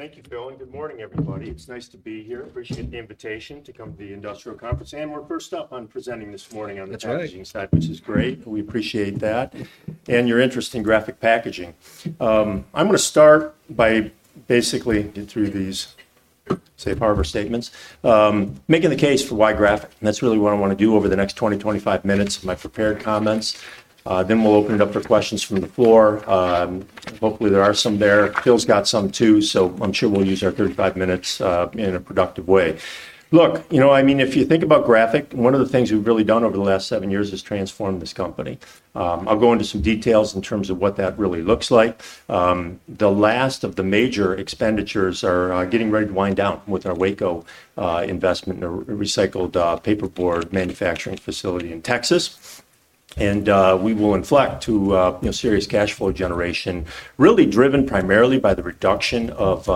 Thank you, Phil. Good morning, everybody. It's nice to be here. Appreciate the invitation to come to the Industrial Conference. We're first up on presenting this morning on the packaging side, which is great. We appreciate that and your interest in Graphic Packaging. I'm going to start by basically going through these, say, part of our statements, making the case for why Graphic. That's really what I want to do over the next 20-25 minutes of my prepared comments. We'll open it up for questions from the floor. Hopefully, there are some there. Phil's got some too. I'm sure we'll use our 35 minutes in a productive way. If you think about Graphic, one of the things we've really done over the last seven years is transform this company. I'll go into some details in terms of what that really looks like. The last of the major expenditures are getting ready to wind down with our Waco investment in a recycled paperboard manufacturing facility in Texas. We will inflect to serious cash flow generation, really driven primarily by the reduction of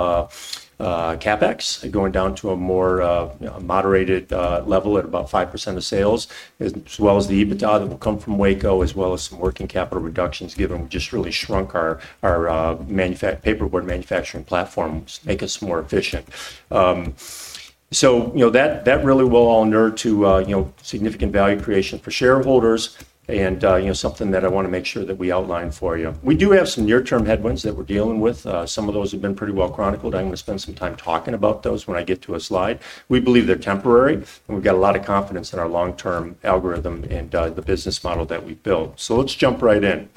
CapEx going down to a more moderated level at about 5% of sales, as well as the EBITDA that will come from Waco, as well as some working capital reductions, given we just really shrunk our paperboard manufacturing platform to make us more efficient. That really will all nurture significant value creation for shareholders, and something that I want to make sure that we outline for you. We do have some near-term headwinds that we're dealing with. Some of those have been pretty well chronicled. I'm going to spend some time talking about those when I get to a slide. We believe they're temporary. We've got a lot of confidence in our long-term algorithm and the business model that we built. Let's jump right in.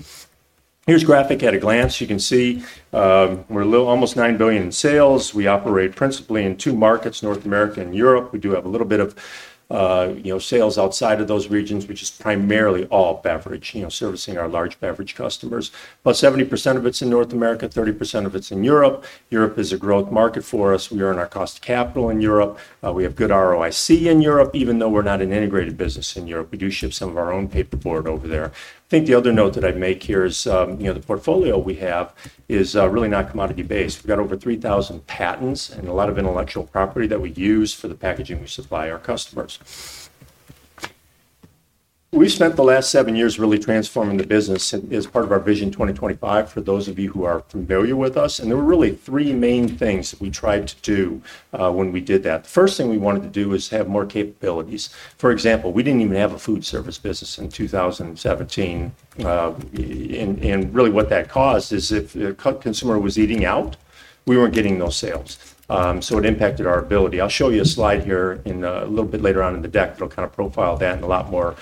Here's Graphic at a glance. You can see we're almost $9 billion in sales. We operate principally in two markets, North America and Europe. We do have a little bit of sales outside of those regions, which is primarily all beverage, servicing our large beverage customers. About 70% of it's in North America, 30% of it's in Europe. Europe is a growth market for us. We earn our cost of capital in Europe. We have good ROIC in Europe, even though we're not an integrated business in Europe. We do ship some of our own paperboard over there. I think the other note that I'd make here is the portfolio we have is really not commodity-based. We've got over 3,000 patents and a lot of intellectual property that we use for the packaging we supply our customers. We spent the last seven years really transforming the business as part of our Vision 2025, for those of you who are familiar with us. There were really three main things that we tried to do when we did that. The first thing we wanted to do was have more capabilities. For example, we didn't even have a food service business in 2017. What that caused is if the consumer was eating out, we weren't getting those sales. It impacted our ability. I'll show you a slide here a little bit later on in the deck that'll kind of profile that in a lot more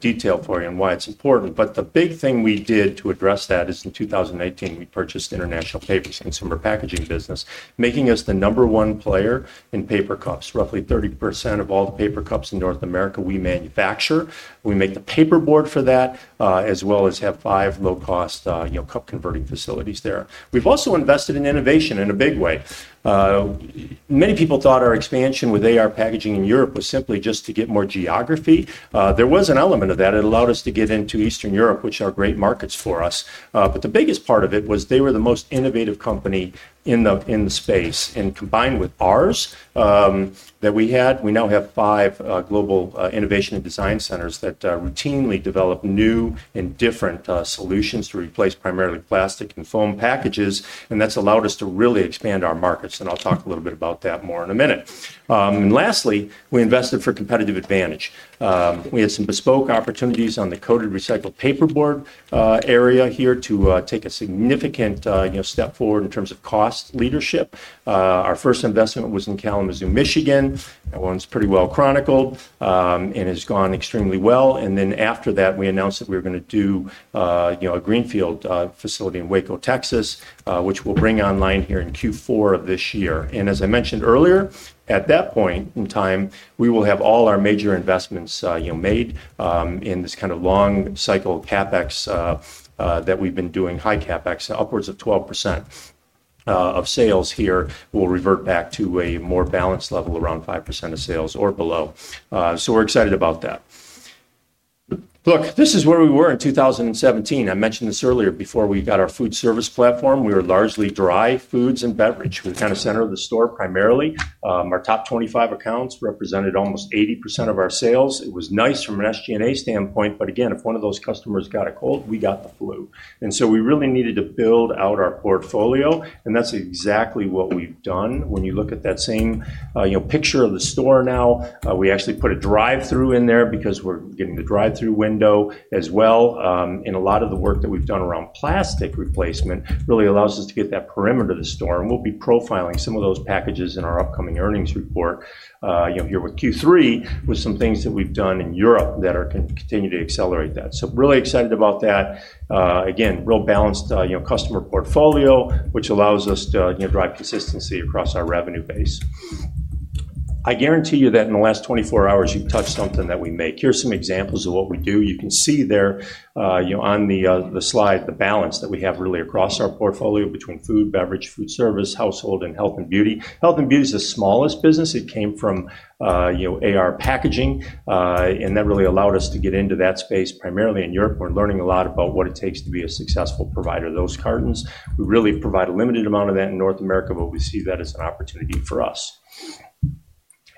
detail for you and why it's important. The big thing we did to address that is in 2018, we purchased International Paper's consumer packaging business, making us the number one player in paper cups. Roughly 30% of all the paper cups in North America we manufacture. We make the paperboard for that, as well as have five low-cost cup converting facilities there. We've also invested in innovation in a big way. Many people thought our expansion with AR Packaging in Europe was simply just to get more geography. There was an element of that. It allowed us to get into Eastern Europe, which are great markets for us. The biggest part of it was they were the most innovative company in the space. Combined with ours that we had, we now have five global innovation and design centers that routinely develop new and different solutions to replace primarily plastic and foam packages. That's allowed us to really expand our markets. I'll talk a little bit about that more in a minute. Lastly, we invested for competitive advantage. We have some bespoke opportunities on the coated recycled paperboard area here to take a significant step forward in terms of cost leadership. Our first investment was in Kalamazoo, Michigan. That one's pretty well chronicled and has gone extremely well. After that, we announced that we were going to do a greenfield facility in Waco, Texas, which we'll bring online here in Q4 of this year. As I mentioned earlier, at that point in time, we will have all our major investments made in this kind of long cycle CapEx that we've been doing, high CapEx, upwards of 12% of sales here will revert back to a more balanced level around 5% of sales or below. We're excited about that. This is where we were in 2017. I mentioned this earlier. Before we got our food service platform, we were largely dry foods and beverage. We kind of centered the store primarily. Our top 25 accounts represented almost 80% of our sales. It was nice from an SG&A standpoint. If one of those customers got a cold, we got the flu. We really needed to build out our portfolio, and that's exactly what we've done. When you look at that same picture of the store now, we actually put a drive-through in there because we're getting the drive-through window as well. A lot of the work that we've done around plastic replacement really allows us to get that perimeter of the store. We'll be profiling some of those packages in our upcoming earnings report here with Q3 with some things that we've done in Europe that are going to continue to accelerate that. Really excited about that. Real balanced customer portfolio, which allows us to drive consistency across our revenue base. I guarantee you that in the last 24 hours, you've touched something that we make. Here's some examples of what we do. You can see there on the slide the balance that we have really across our portfolio between food, beverage, food service, household, and health and beauty. Health and beauty is the smallest business. It came from AR Packaging, and that really allowed us to get into that space primarily in Europe. We're learning a lot about what it takes to be a successful provider of those cartons. We really provide a limited amount of that in North America, but we see that as an opportunity for us.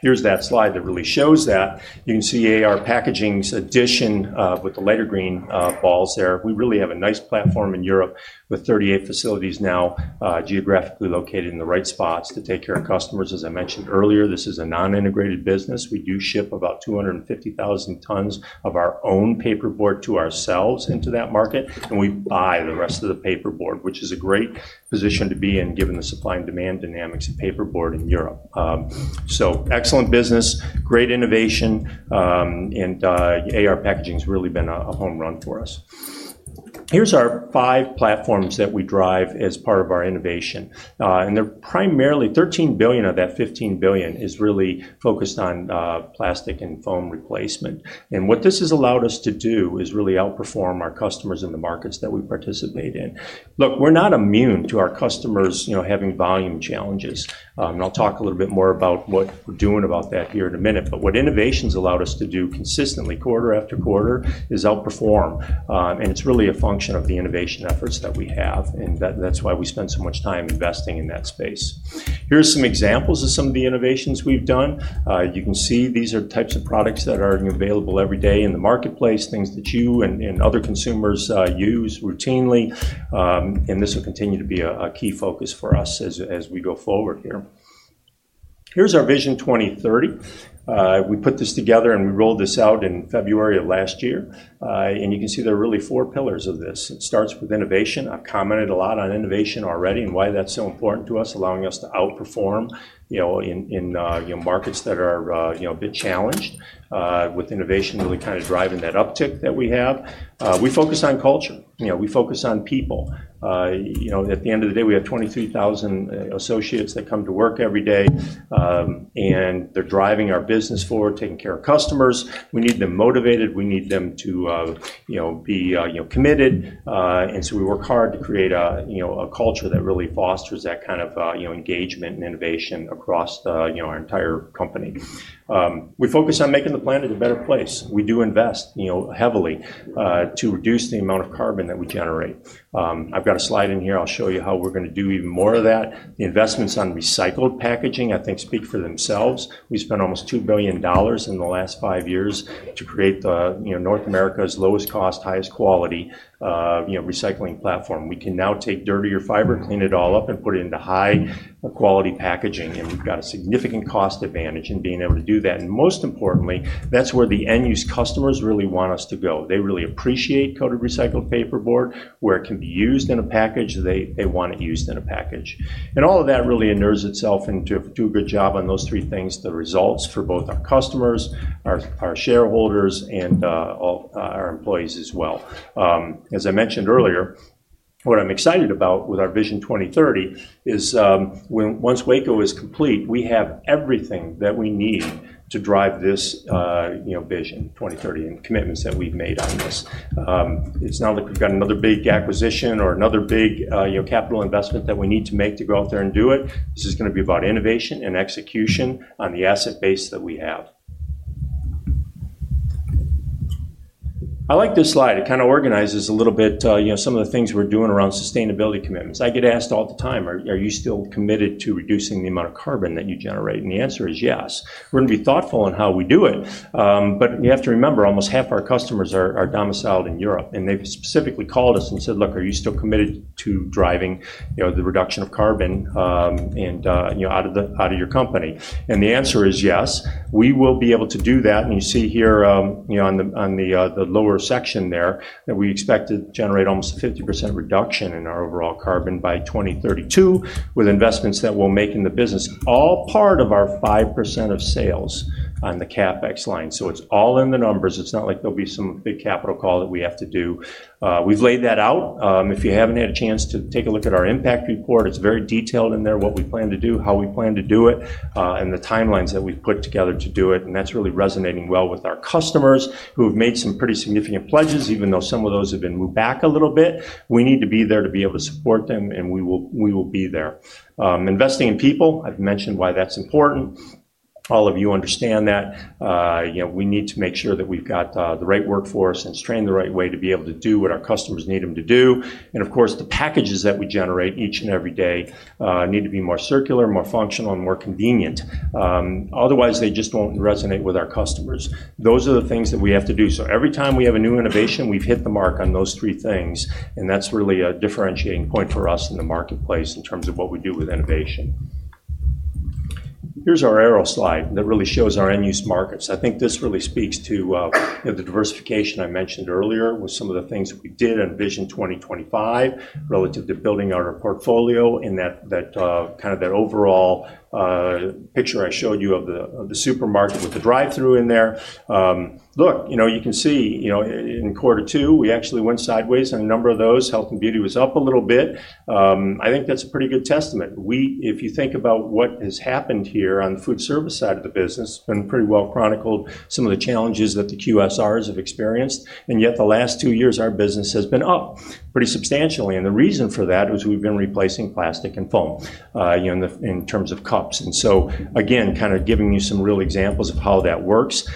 Here's that slide that really shows that. You can see AR Packaging's addition with the lighter green balls there. We really have a nice platform in Europe with 38 facilities now geographically located in the right spots to take care of customers. As I mentioned earlier, this is a non-integrated business. We do ship about 250,000 tons of our own paperboard to ourselves into that market, and we buy the rest of the paperboard, which is a great position to be in given the supply and demand dynamics of paperboard in Europe. Excellent business, great innovation. AR Packaging has really been a home run for us. Here are our five platforms that we drive as part of our innovation, and they're primarily $13 billion of that $15 billion is really focused on plastic and foam replacement. What this has allowed us to do is really outperform our customers in the markets that we participate in. Look, we're not immune to our customers having volume challenges. I'll talk a little bit more about what we're doing about that here in a minute. What innovation has allowed us to do consistently, quarter after quarter, is outperform. It's really a function of the innovation efforts that we have. That's why we spend so much time investing in that space. Here are some examples of some of the innovations we've done. You can see these are types of products that are available every day in the marketplace, things that you and other consumers use routinely. This will continue to be a key focus for us as we go forward here. Here's our Vision 2030. We put this together and we rolled this out in February of last year. You can see there are really four pillars of this. It starts with innovation. I've commented a lot on innovation already and why that's so important to us, allowing us to outperform in markets that are a bit challenged. With innovation really kind of driving that uptick that we have, we focus on culture. We focus on people. At the end of the day, we have 23,000 associates that come to work every day. They're driving our business forward, taking care of customers. We need them motivated. We need them to be committed. We work hard to create a culture that really fosters that kind of engagement and innovation across our entire company. We focus on making the planet a better place. We do invest heavily to reduce the amount of carbon that we generate. I've got a slide in here. I'll show you how we're going to do even more of that. The investments on recycled packaging, I think, speak for themselves. We spent almost $2 billion in the last five years to create North America's lowest cost, highest quality recycling platform. We can now take dirtier fiber, clean it all up, and put it into high-quality packaging. We've got a significant cost advantage in being able to do that. Most importantly, that's where the end-use customers really want us to go. They really appreciate coated recycled paperboard where it can be used in a package. They want it used in a package. All of that really inners itself into a good job on those three things, the results for both our customers, our shareholders, and all our employees as well. As I mentioned earlier, what I'm excited about with our Vision 2030 is once Waco is complete, we have everything that we need to drive this Vision 2030 and commitments that we've made on this. It's not like we've got another big acquisition or another big capital investment that we need to make to go out there and do it. This is going to be about innovation and execution on the asset base that we have. I like this slide. It kind of organizes a little bit some of the things we're doing around sustainability commitments. I get asked all the time, are you still committed to reducing the amount of carbon that you generate? The answer is yes. We're going to be thoughtful in how we do it. You have to remember, almost half our customers are domiciled in Europe. They specifically called us and said, look, are you still committed to driving the reduction of carbon out of your company? The answer is yes. We will be able to do that. You see here on the lower section there that we expect to generate almost a 50% reduction in our overall carbon by 2032 with investments that we'll make in the business, all part of our 5% of sales on the CapEx line. It's all in the numbers. It's not like there'll be some big capital call that we have to do. We've laid that out. If you haven't had a chance to take a look at our impact report, it's very detailed in there what we plan to do, how we plan to do it, and the timelines that we've put together to do it. That's really resonating well with our customers who have made some pretty significant pledges, even though some of those have been moved back a little bit. We need to be there to be able to support them. We will be there. Investing in people, I've mentioned why that's important. All of you understand that. We need to make sure that we've got the right workforce and it's trained the right way to be able to do what our customers need them to do. Of course, the packages that we generate each and every day need to be more circular, more functional, and more convenient. Otherwise, they just won't resonate with our customers. Those are the things that we have to do. Every time we have a new innovation, we've hit the mark on those three things. That's really a differentiating point for us in the marketplace in terms of what we do with innovation. Here's our arrow slide that really shows our end-use markets. I think this really speaks to the diversification I mentioned earlier with some of the things that we did on Vision 2025 relative to building out our portfolio in that kind of that overall picture I showed you of the supermarket with the drive-through in there. Look, you can see in quarter two, we actually went sideways on a number of those. Health and beauty was up a little bit. I think that's a pretty good testament. If you think about what has happened here on the food service side of the business, it's been pretty well chronicled, some of the challenges that the QSRs have experienced. Yet the last two years, our business has been up pretty substantially. The reason for that is we've been replacing plastic and foam in terms of cups. Again, kind of giving you some real examples of how that works.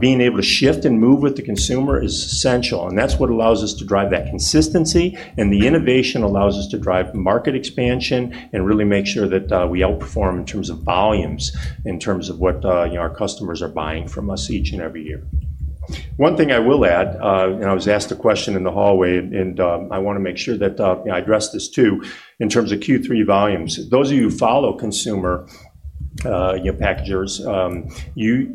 Being able to shift and move with the consumer is essential. That's what allows us to drive that consistency. The innovation allows us to drive market expansion and really make sure that we outperform in terms of volumes, in terms of what our customers are buying from us each and every year. One thing I will add, I was asked a question in the hallway, and I want to make sure that I address this too, in terms of Q3 volumes. Those of you who follow consumer packagers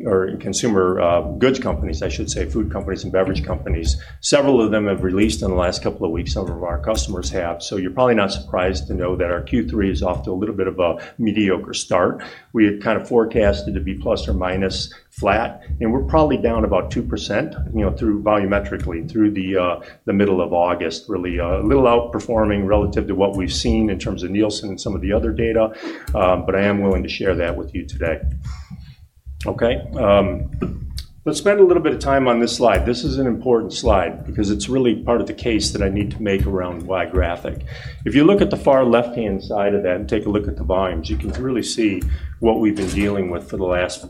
or consumer goods companies, I should say, food companies and beverage companies, several of them have released in the last couple of weeks. Some of our customers have. You're probably not surprised to know that our Q3 is off to a little bit of a mediocre start. We had kind of forecast it to be plus or minus flat. We're probably down about 2% volumetrically through the middle of August, really a little outperforming relative to what we've seen in terms of Nielsen and some of the other data. I am willing to share that with you today. Let's spend a little bit of time on this slide. This is an important slide because it's really part of the case that I need to make around why Graphic. If you look at the far left-hand side of that and take a look at the volumes, you can really see what we've been dealing with for the last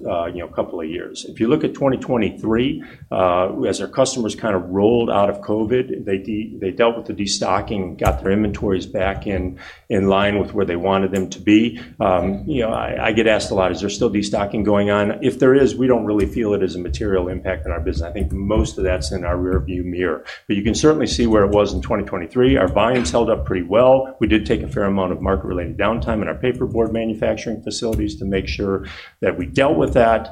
couple of years. If you look at 2023, as our customers kind of rolled out of COVID, they dealt with the destocking, got their inventories back in line with where they wanted them to be. I get asked a lot, is there still destocking going on? If there is, we don't really feel it as a material impact on our business. I think most of that's in our rearview mirror. You can certainly see where it was in 2023. Our volumes held up pretty well. We did take a fair amount of market-related downtime in our paperboard manufacturing facilities to make sure that we dealt with that,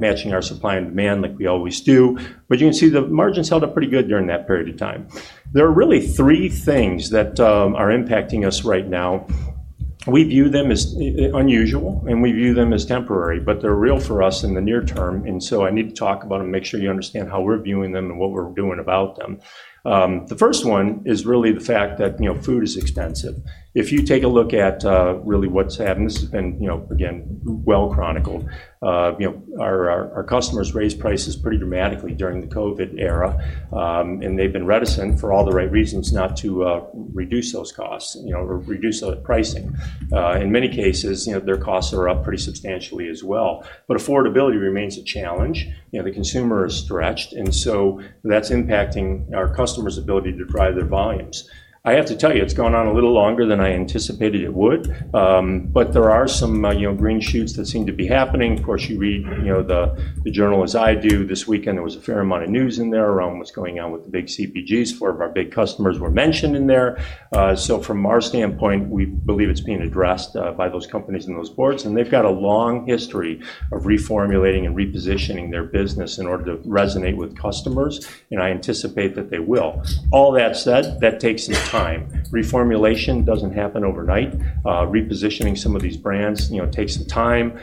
matching our supply and demand like we always do. You can see the margins held up pretty good during that period of time. There are really three things that are impacting us right now. We view them as unusual, and we view them as temporary. They're real for us in the near term. I need to talk about them and make sure you understand how we're viewing them and what we're doing about them. The first one is really the fact that food is expensive. If you take a look at really what's happened, this has been, again, well chronicled. Our customers raised prices pretty dramatically during the COVID era. They've been reticent for all the right reasons not to reduce those costs or reduce the pricing. In many cases, their costs are up pretty substantially as well. Affordability remains a challenge. The consumer is stretched. That's impacting our customers' ability to drive their volumes. I have to tell you, it's gone on a little longer than I anticipated it would. There are some green shoots that seem to be happening. Of course, you read the journal as I do. This weekend, there was a fair amount of news in there around what's going on with the big CPGs. Four of our big customers were mentioned in there. From our standpoint, we believe it's being addressed by those companies and those boards. They've got a long history of reformulating and repositioning their business in order to resonate with customers. I anticipate that they will. All that said, that takes some time. Reformulation doesn't happen overnight. Repositioning some of these brands takes the time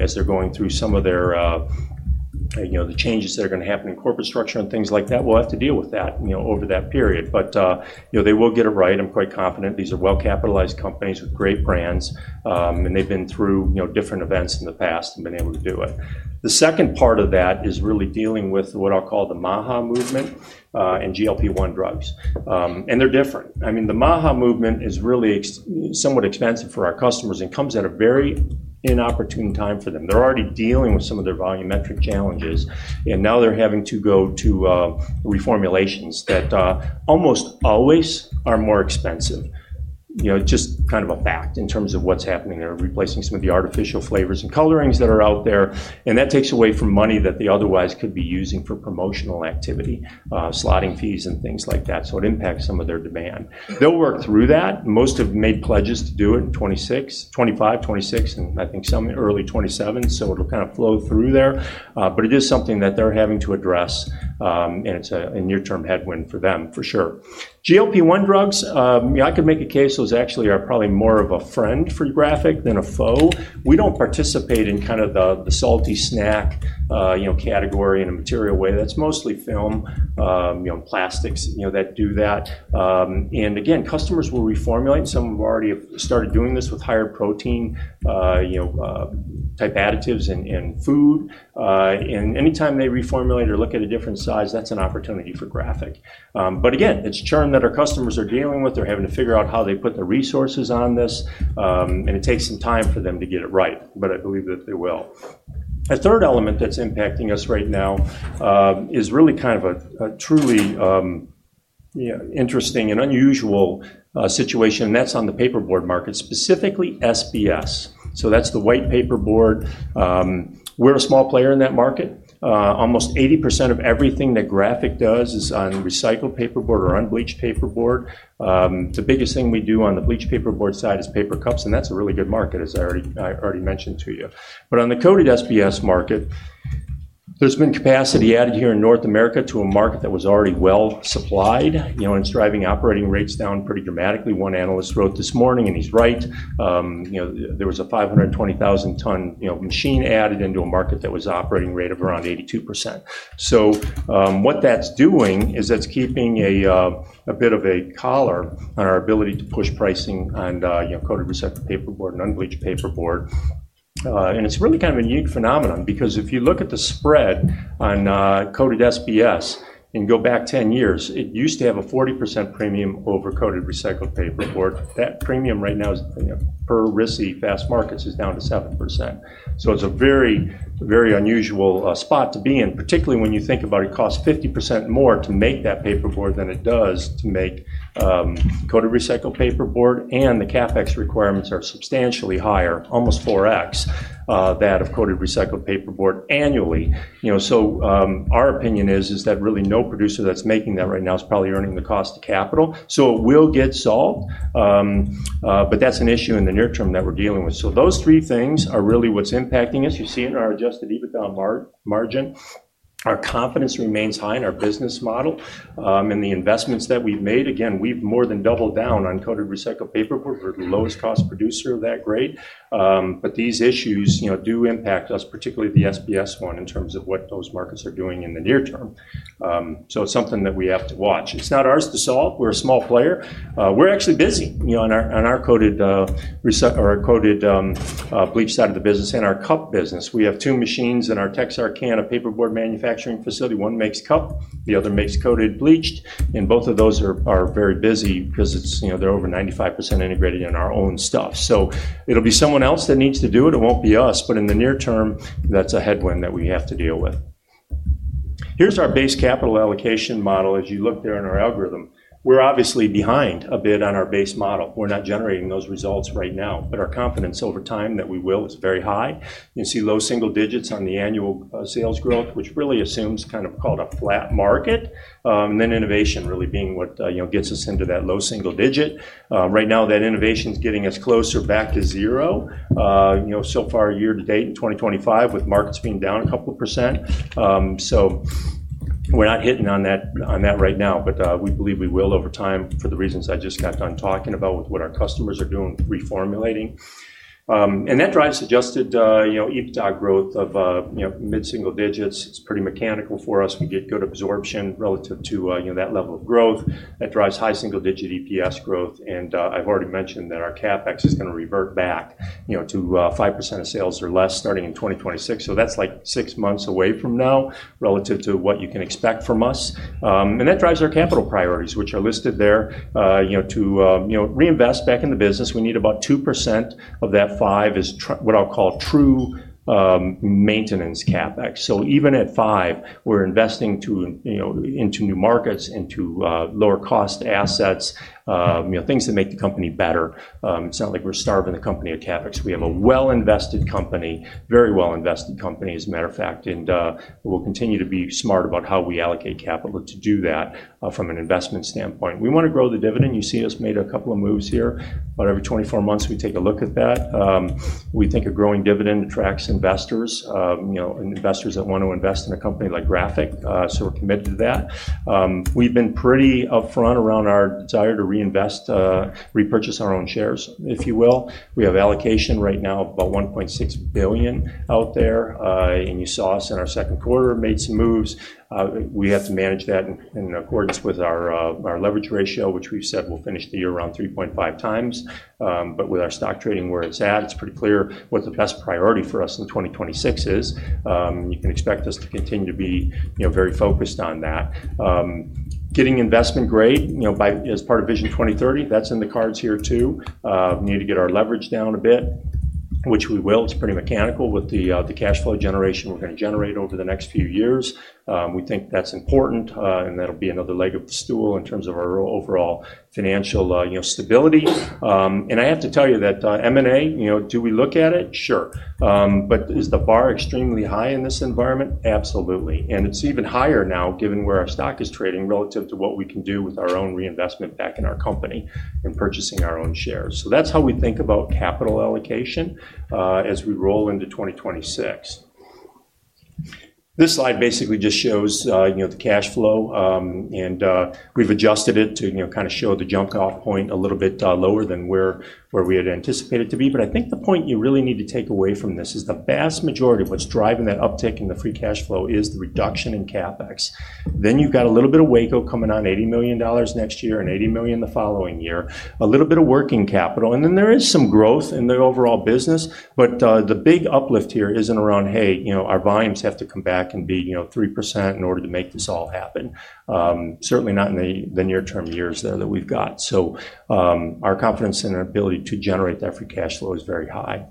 as they're going through some of the changes that are going to happen in corporate structure and things like that. We'll have to deal with that over that period. They will get it right. I'm quite confident. These are well-capitalized companies with great brands. They've been through different events in the past and been able to do it. The second part of that is really dealing with what I'll call the MAHA movement and GLP-1 drugs. They're different. The MAHA movement is really somewhat expensive for our customers and comes at a very inopportune time for them. They're already dealing with some of their volumetric challenges. Now they're having to go to reformulations that almost always are more expensive. It's just kind of a fact in terms of what's happening. They're replacing some of the artificial flavors and colorings that are out there. That takes away from money that they otherwise could be using for promotional activity, slotting fees, and things like that. It impacts some of their demand. They'll work through that. Most have made pledges to do it, 2025, 2026, and I think some early 2027. It'll kind of flow through there. It is something that they're having to address. It's a near-term headwind for them, for sure. GLP-1 drugs, I could make a case those actually are probably more of a friend for Graphic than a foe. We don't participate in kind of the salty snack category in a material way. That's mostly film and plastics that do that. Customers will reformulate. Some have already started doing this with higher protein type additives in food. Anytime they reformulate or look at a different size, that's an opportunity for Graphic. It's churn that our customers are dealing with. They're having to figure out how they put their resources on this. It takes some time for them to get it right. I believe that they will. A third element that's impacting us right now is really kind of a truly interesting and unusual situation. That's on the paperboard market, specifically SBS. That's the white paperboard. We're a small player in that market. Almost 80% of everything that Graphic does is on recycled paperboard or unbleached paperboard. The biggest thing we do on the bleached paperboard side is paper cups. That's a really good market, as I already mentioned to you. On the coated SBS market, there's been capacity added here in North America to a market that was already well supplied. It's driving operating rates down pretty dramatically, one analyst wrote this morning. He's right. There was a 520,000-ton machine added into a market that was operating rate of around 82%. What that's doing is that's keeping a bit of a collar on our ability to push pricing on coated recycled paperboard and unbleached paperboard. It's really kind of a unique phenomenon because if you look at the spread on coated SBS and go back 10 years, it used to have a 40% premium over coated recycled paperboard. That premium right now per RISI Fastmarkets is down to 7%. It's a very, very unusual spot to be in, particularly when you think about it. It costs 50% more to make that paperboard than it does to make coated recycled paperboard. The CapEx requirements are substantially higher, almost 4x that of coated recycled paperboard annually. Our opinion is that really no producer that's making that right now is probably earning the cost of capital. It will get solved, but that's an issue in the near term that we're dealing with. Those three things are really what's impacting us. You see it in our adjusted EBITDA margin. Our confidence remains high in our business model. The investments that we've made, again, we've more than doubled down on coated recycled paperboard. We're the lowest cost producer of that grade. These issues do impact us, particularly the SBS one, in terms of what those markets are doing in the near term. It's something that we have to watch. It's not ours to solve. We're a small player. We're actually busy on our coated bleach side of the business and our cup business. We have two machines in our Texarkana paperboard manufacturing facility. One makes cup, the other makes coated bleached. Both of those are very busy because they're over 95% integrated in our own stuff. It'll be someone else that needs to do it. It won't be us. In the near term, that's a headwind that we have to deal with. Here's our base capital allocation model. As you look there in our algorithm, we're obviously behind a bit on our base model. We're not generating those results right now. Our confidence over time that we will is very high. You see low single digits on the annual sales growth, which really assumes kind of called a flat market. Innovation really being what gets us into that low single digit. Right now, that innovation is getting us closer back to zero. So far, year to date in 2025, with markets being down a couple percent, we're not hitting on that right now. We believe we will over time for the reasons I just got done talking about with what our customers are doing reformulating. That drives adjusted EBITDA growth of mid-single digits. It's pretty mechanical for us to get good absorption relative to that level of growth. That drives high single-digit EPS growth. I've already mentioned that our CapEx is going to revert back to 5% of sales or less starting in 2026. That's like six months away from now relative to what you can expect from us. That drives our capital priorities, which are listed there, to reinvest back in the business. We need about 2% of that 5% is what I'll call true maintenance CapEx. Even at 5%, we're investing into new markets, into lower-cost assets, things that make the company better. It's not like we're starving the company at CapEx. We have a well-invested company, very well-invested company, as a matter of fact. We'll continue to be smart about how we allocate capital to do that from an investment standpoint. We want to grow the dividend. You see us made a couple of moves here. About every 24 months, we take a look at that. We think a growing dividend attracts investors, investors that want to invest in a company like Graphic. We're committed to that. We've been pretty upfront around our desire to reinvest, repurchase our own shares, if you will. We have allocation right now about $1.6 billion out there. You saw us in our second quarter made some moves. We have to manage that in accordance with our leverage ratio, which we've said will finish the year around 3.5x. With our stock trading where it's at, it's pretty clear what the best priority for us in 2026 is. You can expect us to continue to be very focused on that. Getting investment grade as part of Vision 2030, that's in the cards here too. We need to get our leverage down a bit, which we will. It's pretty mechanical with the cash flow generation we're going to generate over the next few years. We think that's important. That'll be another leg of the stool in terms of our overall financial stability. I have to tell you that M&A, do we look at it? Sure. Is the bar extremely high in this environment? Absolutely. It's even higher now given where our stock is trading relative to what we can do with our own reinvestment back in our company and purchasing our own shares. That's how we think about capital allocation as we roll into 2026. This slide basically just shows the cash flow. We've adjusted it to kind of show the jump-off point a little bit lower than where we had anticipated to be. I think the point you really need to take away from this is the vast majority of what's driving that uptick in the free cash flow is the reduction in CapEx. Then you've got a little bit of Waco coming on $80 million next year and $80 million the following year, a little bit of working capital. There is some growth in the overall business. The big uplift here isn't around, hey, our volumes have to come back and be 3% in order to make this all happen. Certainly not in the near-term years that we've got. Our confidence in our ability to generate that free cash flow is very high.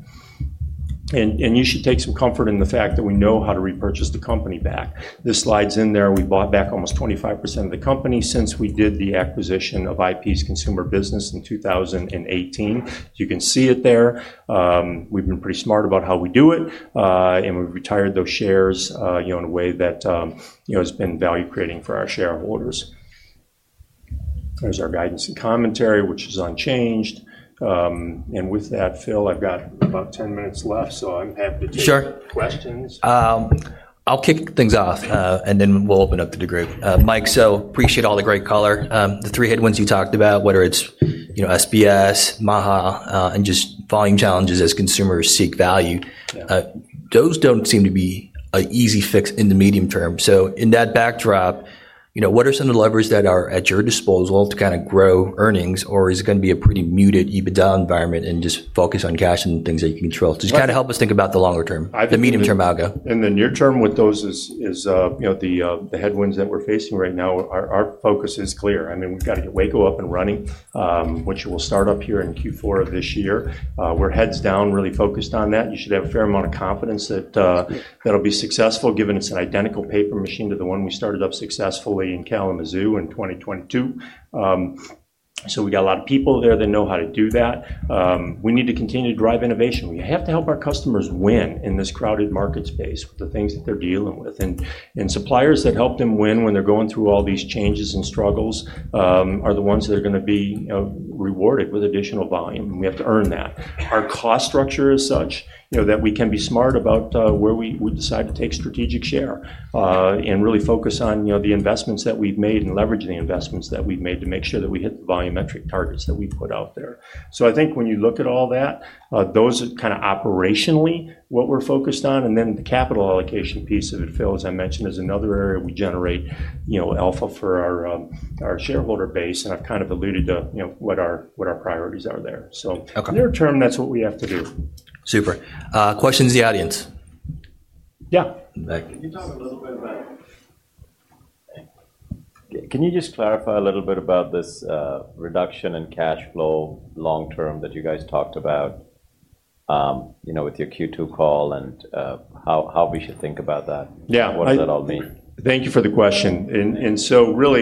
You should take some comfort in the fact that we know how to repurchase the company back. This slide's in there. We bought back almost 25% of the company since we did the acquisition of International Paper's consumer business in 2018. You can see it there. We've been pretty smart about how we do it, and we've retired those shares in a way that has been value creating for our shareholders. There's our guidance and commentary, which is unchanged. With that, Phil, I've got about 10 minutes left. Sure. I'll kick things off, and then we'll open up to the group. Mike, so appreciate all the great color. The three headwinds you talked about, whether it's SBS, MAHA, and just volume challenges as consumers seek value, those don't seem to be an easy fix in the medium term. In that backdrop, what are some of the levers that are at your disposal to kind of grow earnings? Is it going to be a pretty muted EBITDA environment and just focus on cash and things that you can control? Just kind of help us think about the longer term, the medium-term algo. In the near term, with those as the headwinds that we're facing right now, our focus is clear. We've got to get Waco up and running, which will start up here in Q4 of this year. We're heads down, really focused on that. You should have a fair amount of confidence that it'll be successful, given it's an identical paper machine to the one we started up successfully in Kalamazoo in 2022. We got a lot of people there that know how to do that. We need to continue to drive innovation. We have to help our customers win in this crowded market space with the things that they're dealing with. Suppliers that help them win when they're going through all these changes and struggles are the ones that are going to be rewarded with additional volume. We have to earn that. Our cost structure is such that we can be smart about where we decide to take strategic share and really focus on the investments that we've made and leveraging the investments that we've made to make sure that we hit the volumetric targets that we put out there. I think when you look at all that, those are kind of operationally what we're focused on. The capital allocation piece of it, Phil, as I mentioned, is another area we generate alpha for our shareholder base. I've kind of alluded to what our priorities are there. Near term, that's what we have to do. Super. Questions in the audience? Yeah. Can you just clarify a little bit about this reduction in free cash flow long term that you guys talked about with your Q2 call and how we should think about that? Yeah. What does that all mean? Thank you for the question.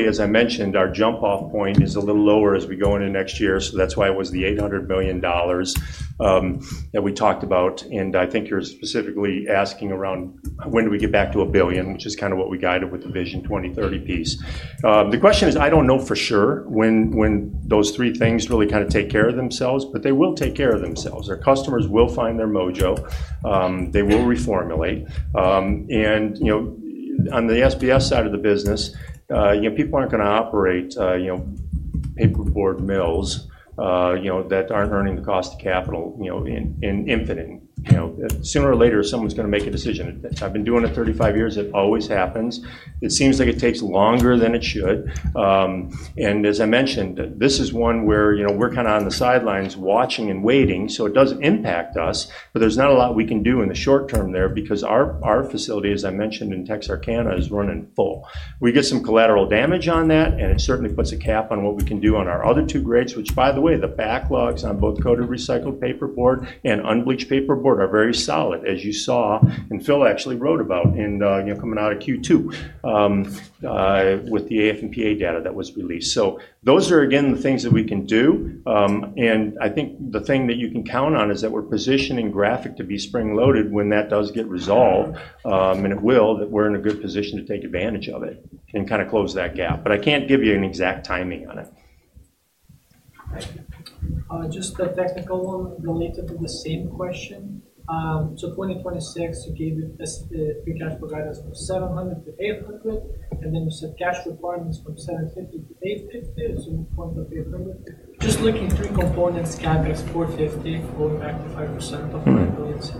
As I mentioned, our jump-off point is a little lower as we go into next year. That is why it was the $800 million that we talked about. I think you're specifically asking around when do we get back to a billion, which is kind of what we guided with the Vision 2030 piece. The question is, I don't know for sure when those three things really kind of take care of themselves. They will take care of themselves. Our customers will find their mojo. They will reformulate. On the SBS side of the business, people aren't going to operate paperboard mills that aren't earning the cost of capital in infinite. Sooner or later, someone's going to make a decision. I've been doing it 35 years. It always happens. It seems like it takes longer than it should. As I mentioned, this is one where we're kind of on the sidelines watching and waiting. It does impact us. There's not a lot we can do in the short term there because our facility, as I mentioned, in Texarkana is running full. We get some collateral damage on that. It certainly puts a cap on what we can do on our other two grades, which, by the way, the backlogs on both coated recycled paperboard and unbleached paperboard are very solid, as you saw and Phil actually wrote about coming out of Q2 with the AF&PA data that was released. Those are, again, the things that we can do. I think the thing that you can count on is that we're positioning Graphic to be spring-loaded when that does get resolved, and it will, that we're in a good position to take advantage of it and kind of close that gap. I can't give you an exact timing on it. Just the technical one related to the same question. For 2026, you gave us the cash providers from $700 million-$800 million, and then you said cash requirements from $750 million-$850 million. We want to pay $100 million. Looking at three components, count as $450 million, 45% of our bills.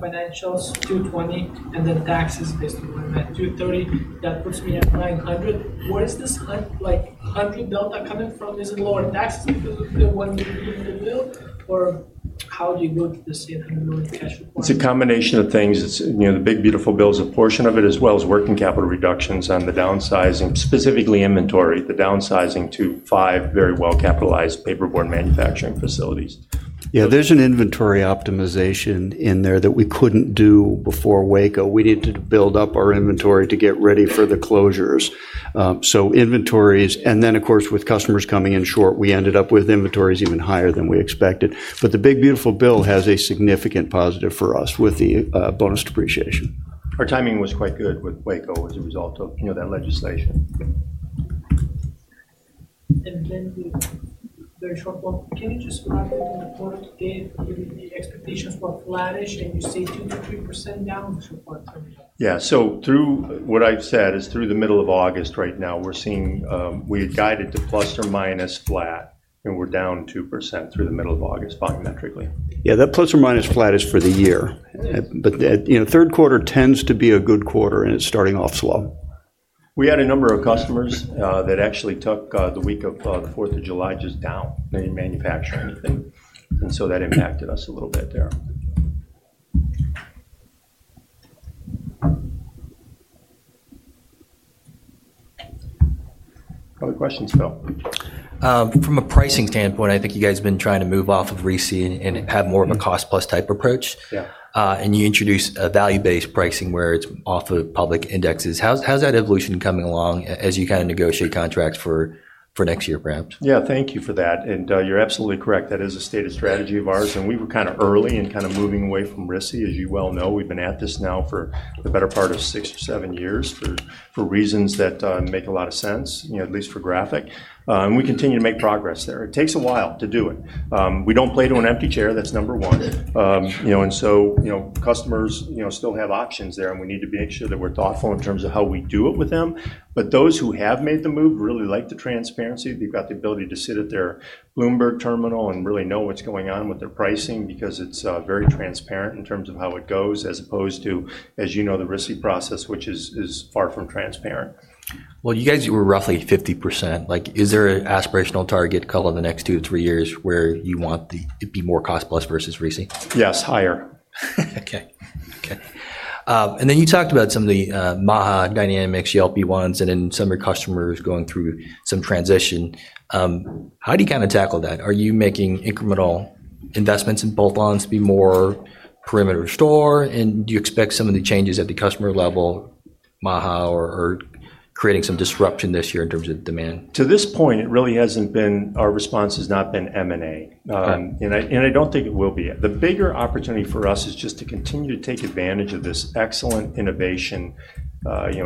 Financials, $220 million, and then taxes based on that, $230 million. That puts me at $900 million. Where's this left, like $100 million coming from? Isn't it lower next to the $100 million mill, or how do you build this $800 million cash? It's a combination of things. The big beautiful bill is a portion of it, as well as working capital reductions on the downsizing, specifically inventory, the downsizing to five very well-capitalized paperboard manufacturing facilities. There's an inventory optimization in there that we couldn't do before Waco. We needed to build up our inventory to get ready for the closures. Inventories, and then, of course, with customers coming in short, we ended up with inventories even higher than we expected. The big beautiful bill has a significant positive for us with the bonus depreciation. Our timing was quite good with Waco as a result of that legislation. The shop-up changes happened in the product gain activity. Expectations were flattish, and you say 2%-3% down. Yeah. Through what I've said is through the middle of August right now, we're seeing we had guided to plus or minus flat, and we're down 2% through the middle of August volumetrically. That plus or minus flat is for the year. Third quarter tends to be a good quarter, and it's starting off slow. We had a number of customers that actually took the week of the 4th of July just down. They didn't manufacture anything, and that impacted us a little bit there. Other questions, Phil? From a pricing standpoint, I think you guys have been trying to move off of RISI and have more of a cost-plus type approach. You introduced value-based pricing where it's off of public indexes. How's that evolution coming along as you kind of negotiate contracts for next year, perhaps? Thank you for that. You're absolutely correct. That is a stated strategy of ours. We were early in moving away from RISI, as you well know. We've been at this now for the better part of six or seven years for reasons that make a lot of sense, at least for Graphic. We continue to make progress there. It takes a while to do it. We don't play to an empty chair. That's number one. Customers still have options there, and we need to make sure that we're thoughtful in terms of how we do it with them. Those who have made the move really like the transparency. They've got the ability to sit at their Bloomberg terminal and really know what's going on with their pricing because it's very transparent in terms of how it goes, as opposed to, as you know, the RISI process, which is far from transparent. You guys were roughly 50%. Is there an aspirational target call in the next two to three years where you want it to be more cost-plus versus RISCI? Yes, higher. OK. You talked about some of the MAHA dynamics, GLP-1s, and some of your customers going through some transition. How do you kind of tackle that? Are you making incremental investments in both lines to be more perimeter store? Do you expect some of the changes at the customer level, MAHA, or creating some disruption this year in terms of demand? To this point, it really hasn't been our response has not been M&A. I don't think it will be it. The bigger opportunity for us is just to continue to take advantage of this excellent innovation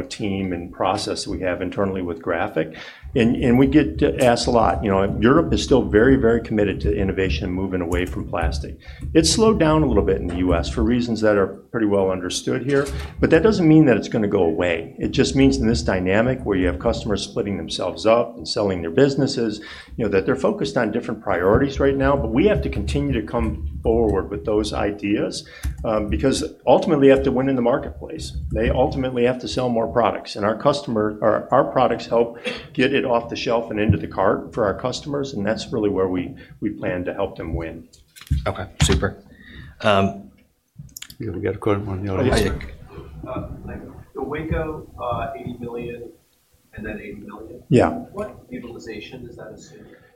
team and process that we have internally with Graphic. We get asked a lot. Europe is still very, very committed to innovation and moving away from plastic. It's slowed down a little bit in the U.S. for reasons that are pretty well understood here. That doesn't mean that it's going to go away. It just means in this dynamic where you have customers splitting themselves up and selling their businesses, they're focused on different priorities right now. We have to continue to come forward with those ideas because ultimately, you have to win in the marketplace. They ultimately have to sell more products. Our products help get it off the shelf and into the cart for our customers. That's really where we plan to help them win. OK, super. You got a question on the other side. Yeah.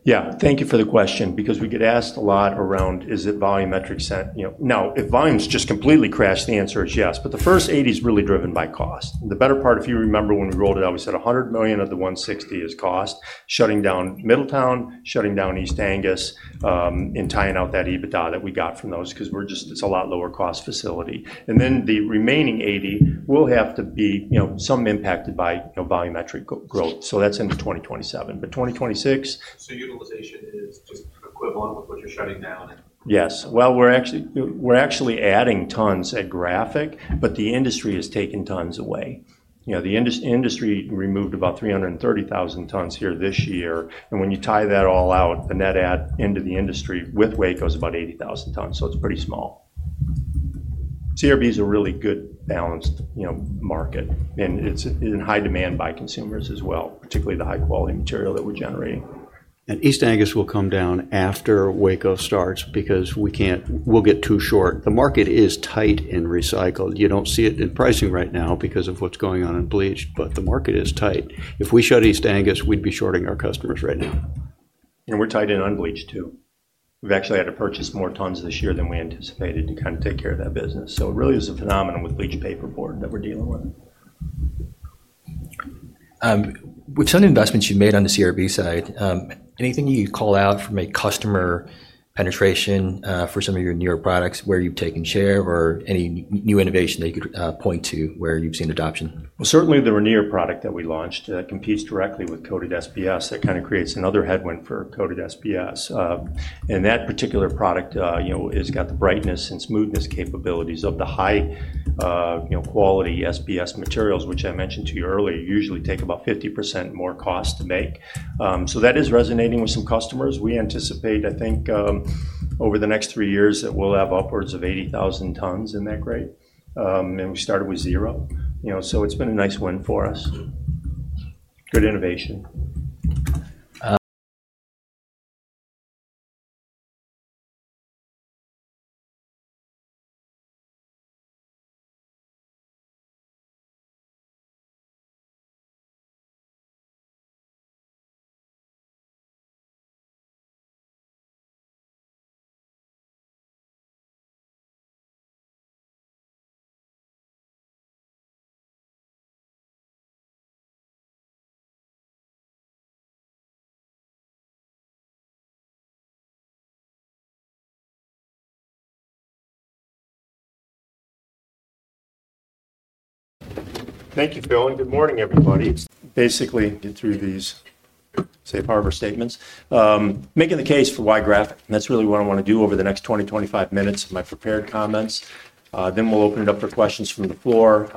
Yeah, thank you for the question because we get asked a lot around, is it volumetric set? No. If volumes just completely crash, the answer is yes. The first $80 million is really driven by cost. The better part, if you remember when we rolled it out, we said $100 million of the $160 million is cost, shutting down Middletown, shutting down East Angus, and tying out that EBITDA that we got from those because it's a lot lower cost facility. The remaining $80 million will have to be impacted by volumetric growth. That's in 2027. In 2026, we're actually adding tons at Graphic. The industry has taken tons away. The industry removed about 330,000 tons this year. When you tie that all out, the net add into the industry with Waco is about 80,000 tons. It's pretty small. CRB is a really good balanced market. It's in high demand by consumers as well, particularly the high-quality material that we're generating. East Angus will come down after Waco starts because we can't, we'll get too short. The market is tight in recycled. You don't see it in pricing right now because of what's going on in bleached. The market is tight. If we shut East Angus, we'd be shorting our customers right now. We're tight in unbleached too. We've actually had to purchase more tons this year than we anticipated to take care of that business. It really is a phenomenon with bleached paperboard that we're dealing with. With some of the investments you've made on the coated recycled paperboard side, anything you'd call out from a customer penetration for some of your newer products where you've taken share or any new innovation that you could point to where you've seen adoption? The Rainier product that we launched competes directly with coated SBS. That kind of creates another headwind for coated SBS. That particular product has got the brightness and smoothness capabilities of the high-quality SBS materials, which I mentioned to you earlier, usually take about 50% more cost to make. That is resonating with some customers. We anticipate, I think, over the next three years that we'll have upwards of 80,000 tons in that grade. We started with zero. It's been a nice win for us. Good innovation. Thank you, Phil. Good morning, everybody. Basically, through these safe harbor statements, making the case for why Graphic. That's really what I want to do over the next 20-25 minutes of my prepared comments. Then we'll open it up for questions from the floor.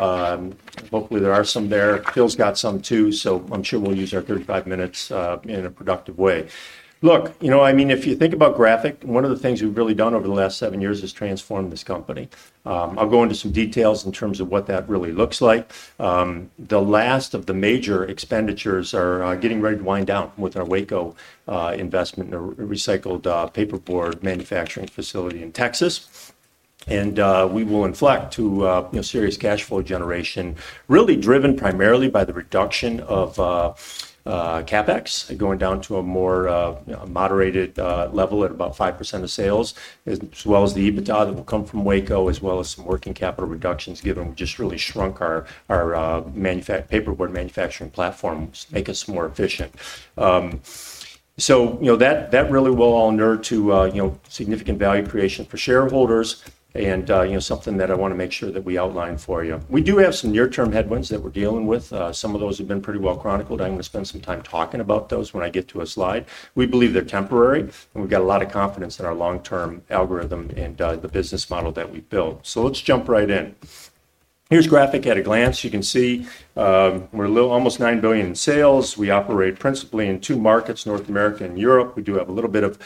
Hopefully, there are some there. Phil's got some too. I'm sure we'll use our 35 minutes in a productive way. Look, you know, if you think about Graphic, one of the things we've really done over the last seven years is transform this company. I'll go into some details in terms of what that really looks like. The last of the major expenditures are getting ready to wind down with our Waco investment in a recycled paperboard manufacturing facility in Texas. We will inflect to serious cash flow generation, really driven primarily by the reduction of CapEx, going down to a more moderated level at about 5% of sales, as well as the EBITDA that will come from Waco, as well as some working capital reductions, given we've just really shrunk our paperboard manufacturing platform, which makes us more efficient. That really will all nurture significant value creation for shareholders and something that I want to make sure that we outline for you. We do have some near-term headwinds that we're dealing with. Some of those have been pretty well chronicled. I'm going to spend some time talking about those when I get to a slide. We believe they're temporary. We've got a lot of confidence in our long-term algorithm and the business model that we built. Let's jump right in. Here's Graphic at a glance. You can see we're almost $9 billion in sales. We operate principally in two markets, North America and Europe. We do have a little bit of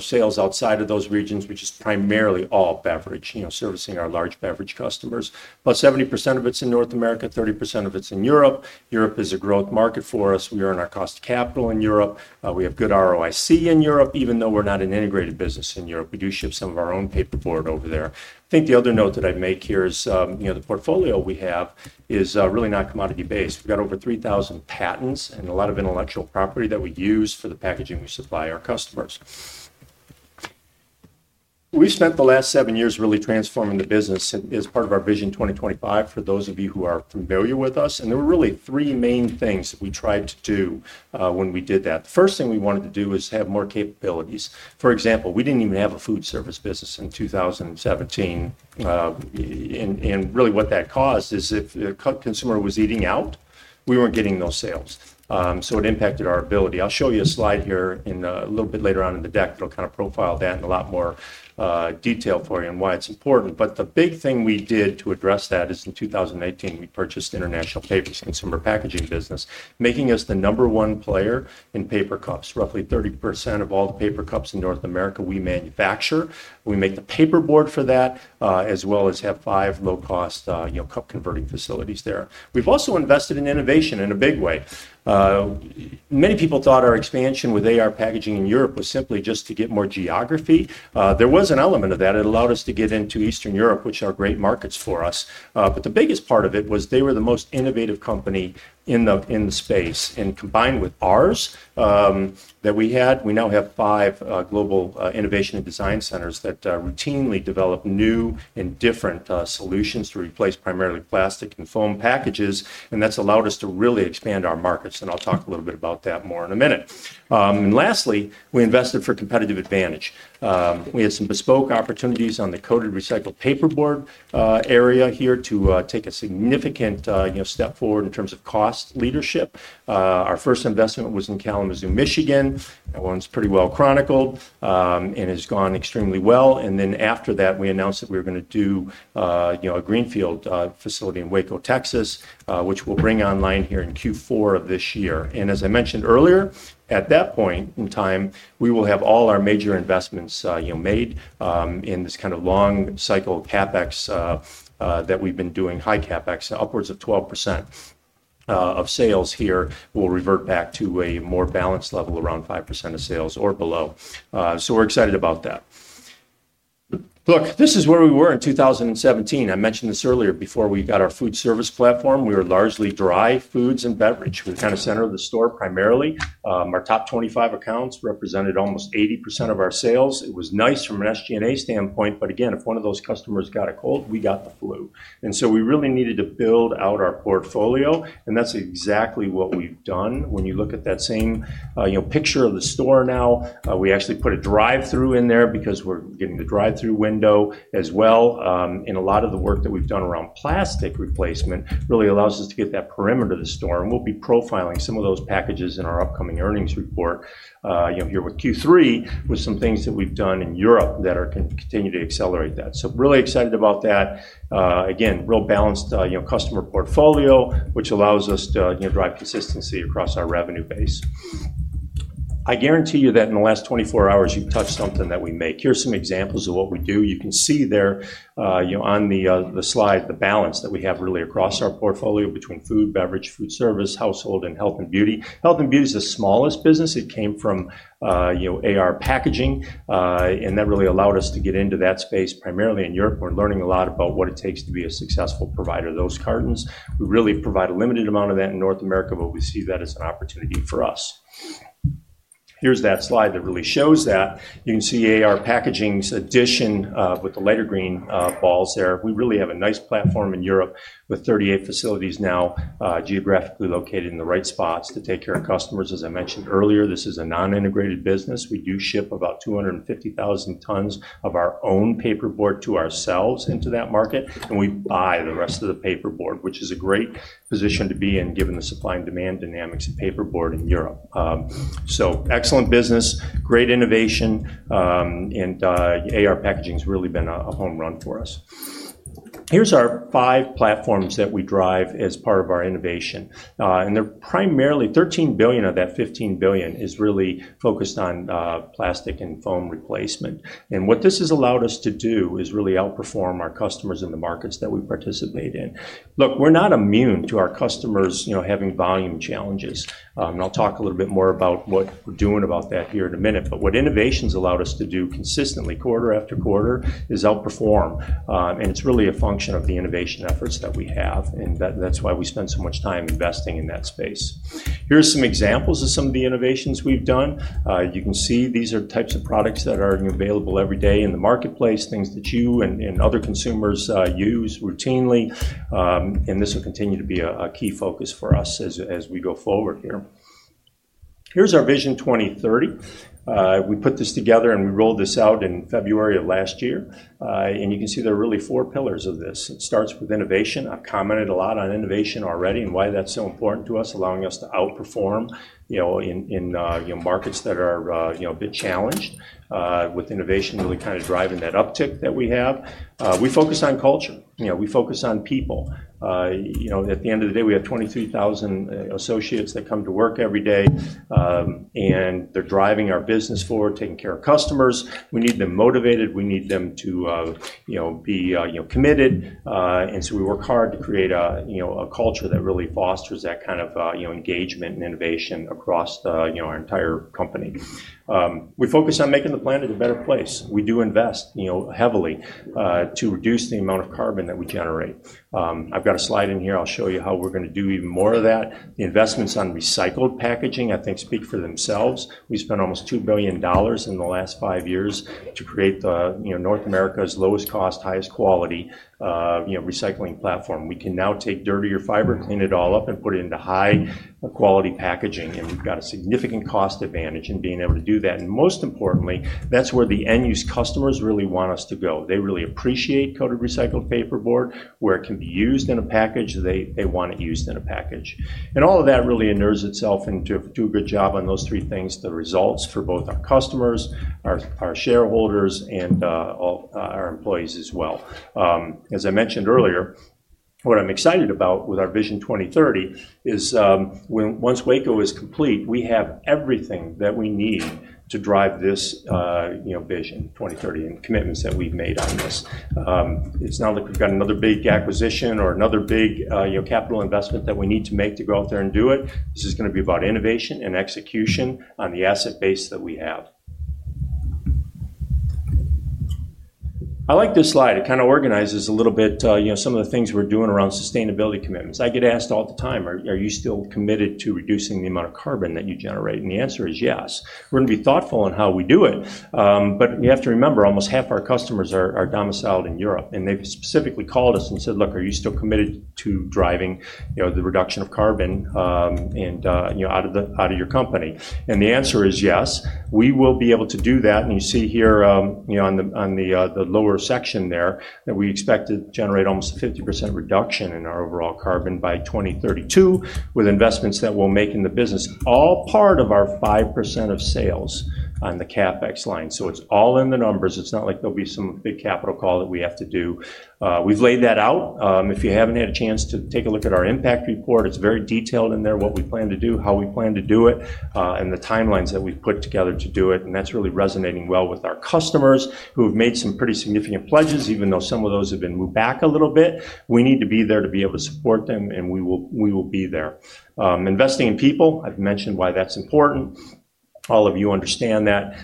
sales outside of those regions, which is primarily all beverage, servicing our large beverage customers. About 70% of it's in North America. 30% of it's in Europe. Europe is a growth market for us. We earn our cost of capital in Europe. We have good ROIC in Europe, even though we're not an integrated business in Europe. We do ship some of our own paperboard over there. I think the other note that I make here is the portfolio we have is really not commodity-based. We've got over 3,000 patents and a lot of intellectual property that we use for the packaging we supply our customers. We spent the last seven years really transforming the business as part of our Vision 2025 for those of you who are familiar with us. There were really three main things that we tried to do when we did that. The first thing we wanted to do was have more capabilities. For example, we didn't even have a food service business in 2017. What that caused is if the consumer was eating out, we weren't getting those sales. It impacted our ability. I'll show you a slide here a little bit later on in the deck that'll kind of profile that in a lot more detail for you and why it's important. The big thing we did to address that is in 2018, we purchased International Paper's consumer packaging business, making us the number one player in paper cups. Roughly 30% of all the paper cups in North America we manufacture. We make the paperboard for that, as well as have five low-cost cup converting facilities there. We've also invested in innovation in a big way. Many people thought our expansion with AR Packaging in Europe was simply just to get more geography. There was an element of that. It allowed us to get into Eastern Europe, which are great markets for us. The biggest part of it was they were the most innovative company in the space. Combined with ours that we had, we now have five global innovation and design centers that routinely develop new and different solutions to replace primarily plastic and foam packages. That's allowed us to really expand our markets. I'll talk a little bit about that more in a minute. Lastly, we invested for competitive advantage. We had some bespoke opportunities on the coated recycled paperboard area here to take a significant step forward in terms of cost leadership. Our first investment was in Kalamazoo, Michigan. That one's pretty well chronicled and has gone extremely well. After that, we announced that we were going to do a greenfield facility in Waco, Texas, which we'll bring online here in Q4 of this year. As I mentioned earlier, at that point in time, we will have all our major investments made in this kind of long cycle CapEx that we've been doing, high CapEx, upwards of 12% of sales here will revert back to a more balanced level around 5% of sales or below. We're excited about that. This is where we were in 2017. I mentioned this earlier. Before we got our food service platform, we were largely dry foods and beverage. We were kind of center of the store primarily. Our top 25 accounts represented almost 80% of our sales. It was nice from an SG&A standpoint. If one of those customers got a cold, we got the flu. We really needed to build out our portfolio. That's exactly what we've done. When you look at that same picture of the store now, we actually put a drive-through in there because we're getting the drive-through window as well. A lot of the work that we've done around plastic replacement really allows us to get that perimeter of the store. We'll be profiling some of those packages in our upcoming earnings report here with Q3 with some things that we've done in Europe that are going to continue to accelerate that. Really excited about that. Again, real balanced customer portfolio, which allows us to drive consistency across our revenue base. I guarantee you that in the last 24 hours, you've touched something that we make. Here are some examples of what we do. You can see there on the slide the balance that we have really across our portfolio between food, beverage, food service, household, and health and beauty. Health and beauty is the smallest business. It came from AR Packaging. That really allowed us to get into that space primarily in Europe. We're learning a lot about what it takes to be a successful provider of those cartons. We really provide a limited amount of that in North America. We see that as an opportunity for us. Here is that slide that really shows that. You can see AR Packaging's addition with the lighter green balls there. We really have a nice platform in Europe with 38 facilities now geographically located in the right spots to take care of customers. As I mentioned earlier, this is a non-integrated business. We do ship about 250,000 tons of our own paperboard to ourselves into that market. We buy the rest of the paperboard, which is a great position to be in given the supply and demand dynamics of paperboard in Europe. Excellent business, great innovation. AR Packaging has really been a home run for us. Here are our five platforms that we drive as part of our innovation. They're primarily $13 billion of that $15 billion is really focused on plastic and foam replacement. What this has allowed us to do is really outperform our customers in the markets that we participate in. Look, we're not immune to our customers having volume challenges. I'll talk a little bit more about what we're doing about that here in a minute. What innovation has allowed us to do consistently, quarter after quarter, is outperform. It's really a function of the innovation efforts that we have. That's why we spend so much time investing in that space. Here's some examples of some of the innovations we've done. You can see these are types of products that are available every day in the marketplace, things that you and other consumers use routinely. This will continue to be a key focus for us as we go forward here. Here's our Vision 2030. We put this together and we rolled this out in February of last year. You can see there are really four pillars of this. It starts with innovation. I commented a lot on innovation already and why that's so important to us, allowing us to outperform in markets that are a bit challenged, with innovation really kind of driving that uptick that we have. We focus on culture. We focus on people. At the end of the day, we have 23,000 associates that come to work every day. They're driving our business forward, taking care of customers. We need them motivated. We need them to be committed. We work hard to create a culture that really fosters that kind of engagement and innovation across our entire company. We focus on making the planet a better place. We do invest heavily to reduce the amount of carbon that we generate. I've got a slide in here. I'll show you how we're going to do even more of that. The investments on recycled packaging, I think, speak for themselves. We spent almost $2 billion in the last five years to create North America's lowest cost, highest quality recycling platform. We can now take dirtier fiber, clean it all up, and put it into high-quality packaging. We've got a significant cost advantage in being able to do that. Most importantly, that's where the end-use customers really want us to go. They really appreciate coated recycled paperboard where it can be used in a package. They want it used in a package. All of that really inners itself into do a good job on those three things, the results for both our customers, our shareholders, and all our employees as well. As I mentioned earlier, what I'm excited about with our Vision 2030 is once Waco is complete, we have everything that we need to drive this Vision 2030 and commitments that we've made on this. It's not like we've got another big acquisition or another big capital investment that we need to make to go out there and do it. This is going to be about innovation and execution on the asset base that we have. I like this slide. It kind of organizes a little bit some of the things we're doing around sustainability commitments. I get asked all the time, are you still committed to reducing the amount of carbon that you generate? The answer is yes. We are going to be thoughtful in how we do it. You have to remember, almost half our customers are domiciled in Europe, and they've specifically called us and said, look, are you still committed to driving the reduction of carbon out of your company? The answer is yes. We will be able to do that. You see here on the lower section there that we expect to generate almost a 50% reduction in our overall carbon by 2032 with investments that we'll make in the business, all part of our 5% of sales on the CapEx line. It's all in the numbers. It's not like there will be some big capital call that we have to do. We've laid that out. If you haven't had a chance to take a look at our impact report, it's very detailed in there what we plan to do, how we plan to do it, and the timelines that we've put together to do it. That is really resonating well with our customers who have made some pretty significant pledges, even though some of those have been moved back a little bit. We need to be there to be able to support them. We will be there. Investing in people, I've mentioned why that's important. All of you understand that.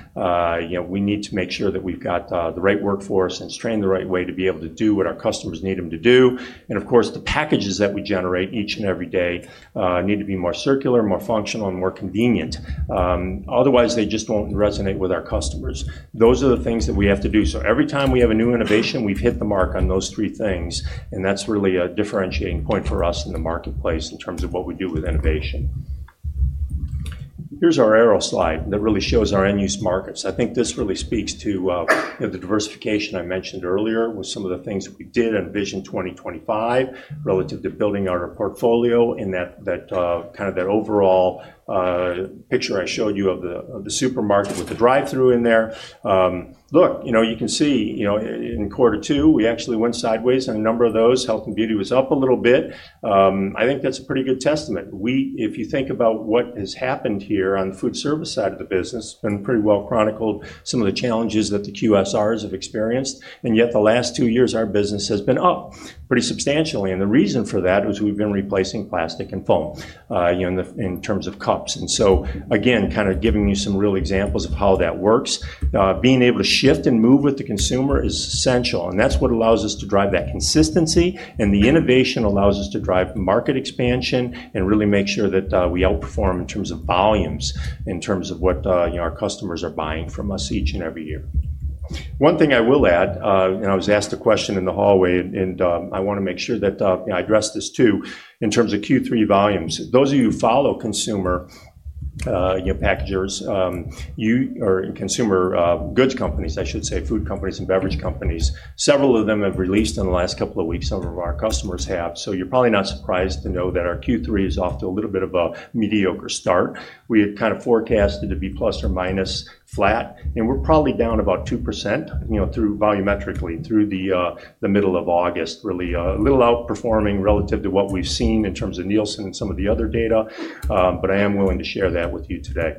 We need to make sure that we've got the right workforce and it's trained the right way to be able to do what our customers need them to do. Of course, the packages that we generate each and every day need to be more circular, more functional, and more convenient. Otherwise, they just won't resonate with our customers. Those are the things that we have to do. Every time we have a new innovation, we've hit the mark on those three things. That is really a differentiating point for us in the marketplace in terms of what we do with innovation. Here is our arrow slide that really shows our end-use markets. I think this really speaks to the diversification I mentioned earlier with some of the things we did on Vision 2025 relative to building our portfolio in that overall picture I showed you of the supermarket with the drive-through in there. You can see in quarter two, we actually went sideways on a number of those. Health and beauty was up a little bit. I think that's a pretty good testament. If you think about what has happened here on the food service side of the business, it's been pretty well chronicled, some of the challenges that the QSRs have experienced. Yet the last two years, our business has been up pretty substantially. The reason for that is we've been replacing plastic and foam in terms of cups. Again, kind of giving you some real examples of how that works. Being able to shift and move with the consumer is essential. That's what allows us to drive that consistency. The innovation allows us to drive market expansion and really make sure that we outperform in terms of volumes, in terms of what our customers are buying from us each and every year. One thing I will add, I was asked a question in the hallway, and I want to make sure that I address this too, in terms of Q3 volumes. Those of you who follow consumer packagers or consumer goods companies, I should say, food companies and beverage companies, several of them have released in the last couple of weeks. Some of our customers have. You're probably not surprised to know that our Q3 is off to a little bit of a mediocre start. We had kind of forecasted to be plus or minus flat. We're probably down about 2% volumetrically through the middle of August, really a little outperforming relative to what we've seen in terms of Nielsen and some of the other data. I am willing to share that with you today.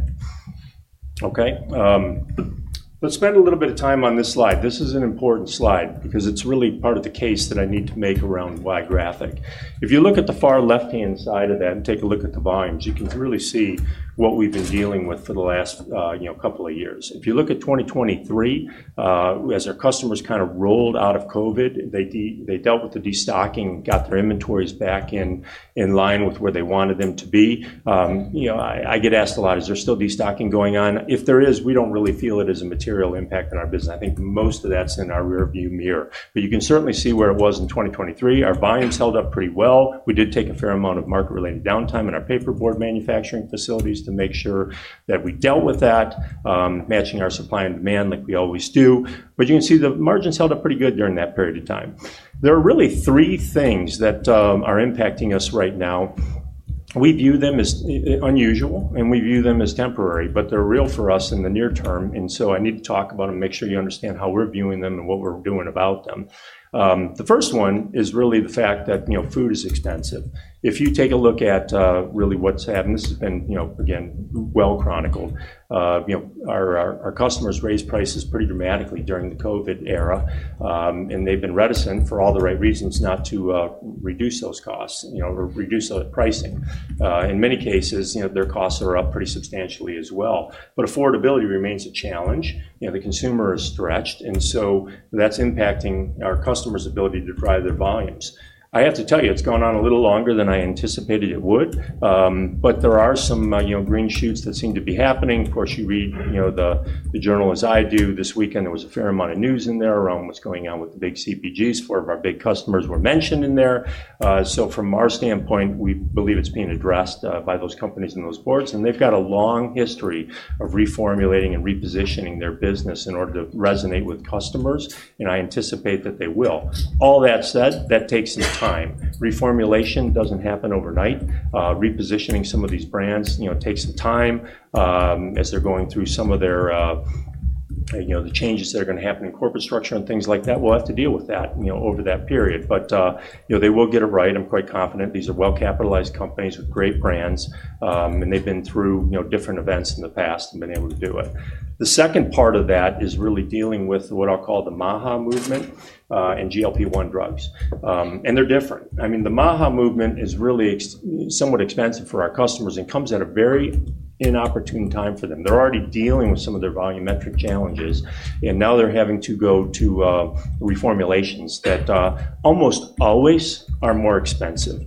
Let's spend a little bit of time on this slide. This is an important slide because it's really part of the case that I need to make around why Graphic. If you look at the far left-hand side of that and take a look at the volumes, you can really see what we've been dealing with for the last couple of years. If you look at 2023, as our customers kind of rolled out of COVID, they dealt with the destocking, got their inventories back in line with where they wanted them to be. I get asked a lot, is there still destocking going on? If there is, we don't really feel it as a material impact in our business. I think most of that's in our rearview mirror. You can certainly see where it was in 2023. Our volumes held up pretty well. We did take a fair amount of market-related downtime in our paperboard manufacturing facilities to make sure that we dealt with that, matching our supply and demand like we always do. You can see the margins held up pretty good during that period of time. There are really three things that are impacting us right now. We view them as unusual. We view them as temporary. They're real for us in the near term. I need to talk about them and make sure you understand how we're viewing them and what we're doing about them. The first one is really the fact that food is expensive. If you take a look at really what's happened, this has been, again, well chronicled. Our customers raised prices pretty dramatically during the COVID era. They've been reticent, for all the right reasons, not to reduce those costs or reduce the pricing. In many cases, their costs are up pretty substantially as well. Affordability remains a challenge. The consumer is stretched, and that's impacting our customers' ability to drive their volumes. I have to tell you, it's gone on a little longer than I anticipated it would. There are some green shoots that seem to be happening. Of course, you read the journal as I do. This weekend, there was a fair amount of news in there around what's going on with the big CPGs. Four of our big customers were mentioned in there. From our standpoint, we believe it's being addressed by those companies and those boards. They've got a long history of reformulating and repositioning their business in order to resonate with customers, and I anticipate that they will. All that said, that takes some time. Reformulation doesn't happen overnight. Repositioning some of these brands takes the time as they're going through some of the changes that are going to happen in corporate structure and things like that. We'll have to deal with that over that period, but they will get it right. I'm quite confident. These are well-capitalized companies with great brands, and they've been through different events in the past and been able to do it. The second part of that is really dealing with what I'll call the MAHA movement and GLP-1 drugs. They're different. The MAHA movement is really somewhat expensive for our customers and comes at a very inopportune time for them. They're already dealing with some of their volumetric challenges, and now they're having to go to reformulations that almost always are more expensive.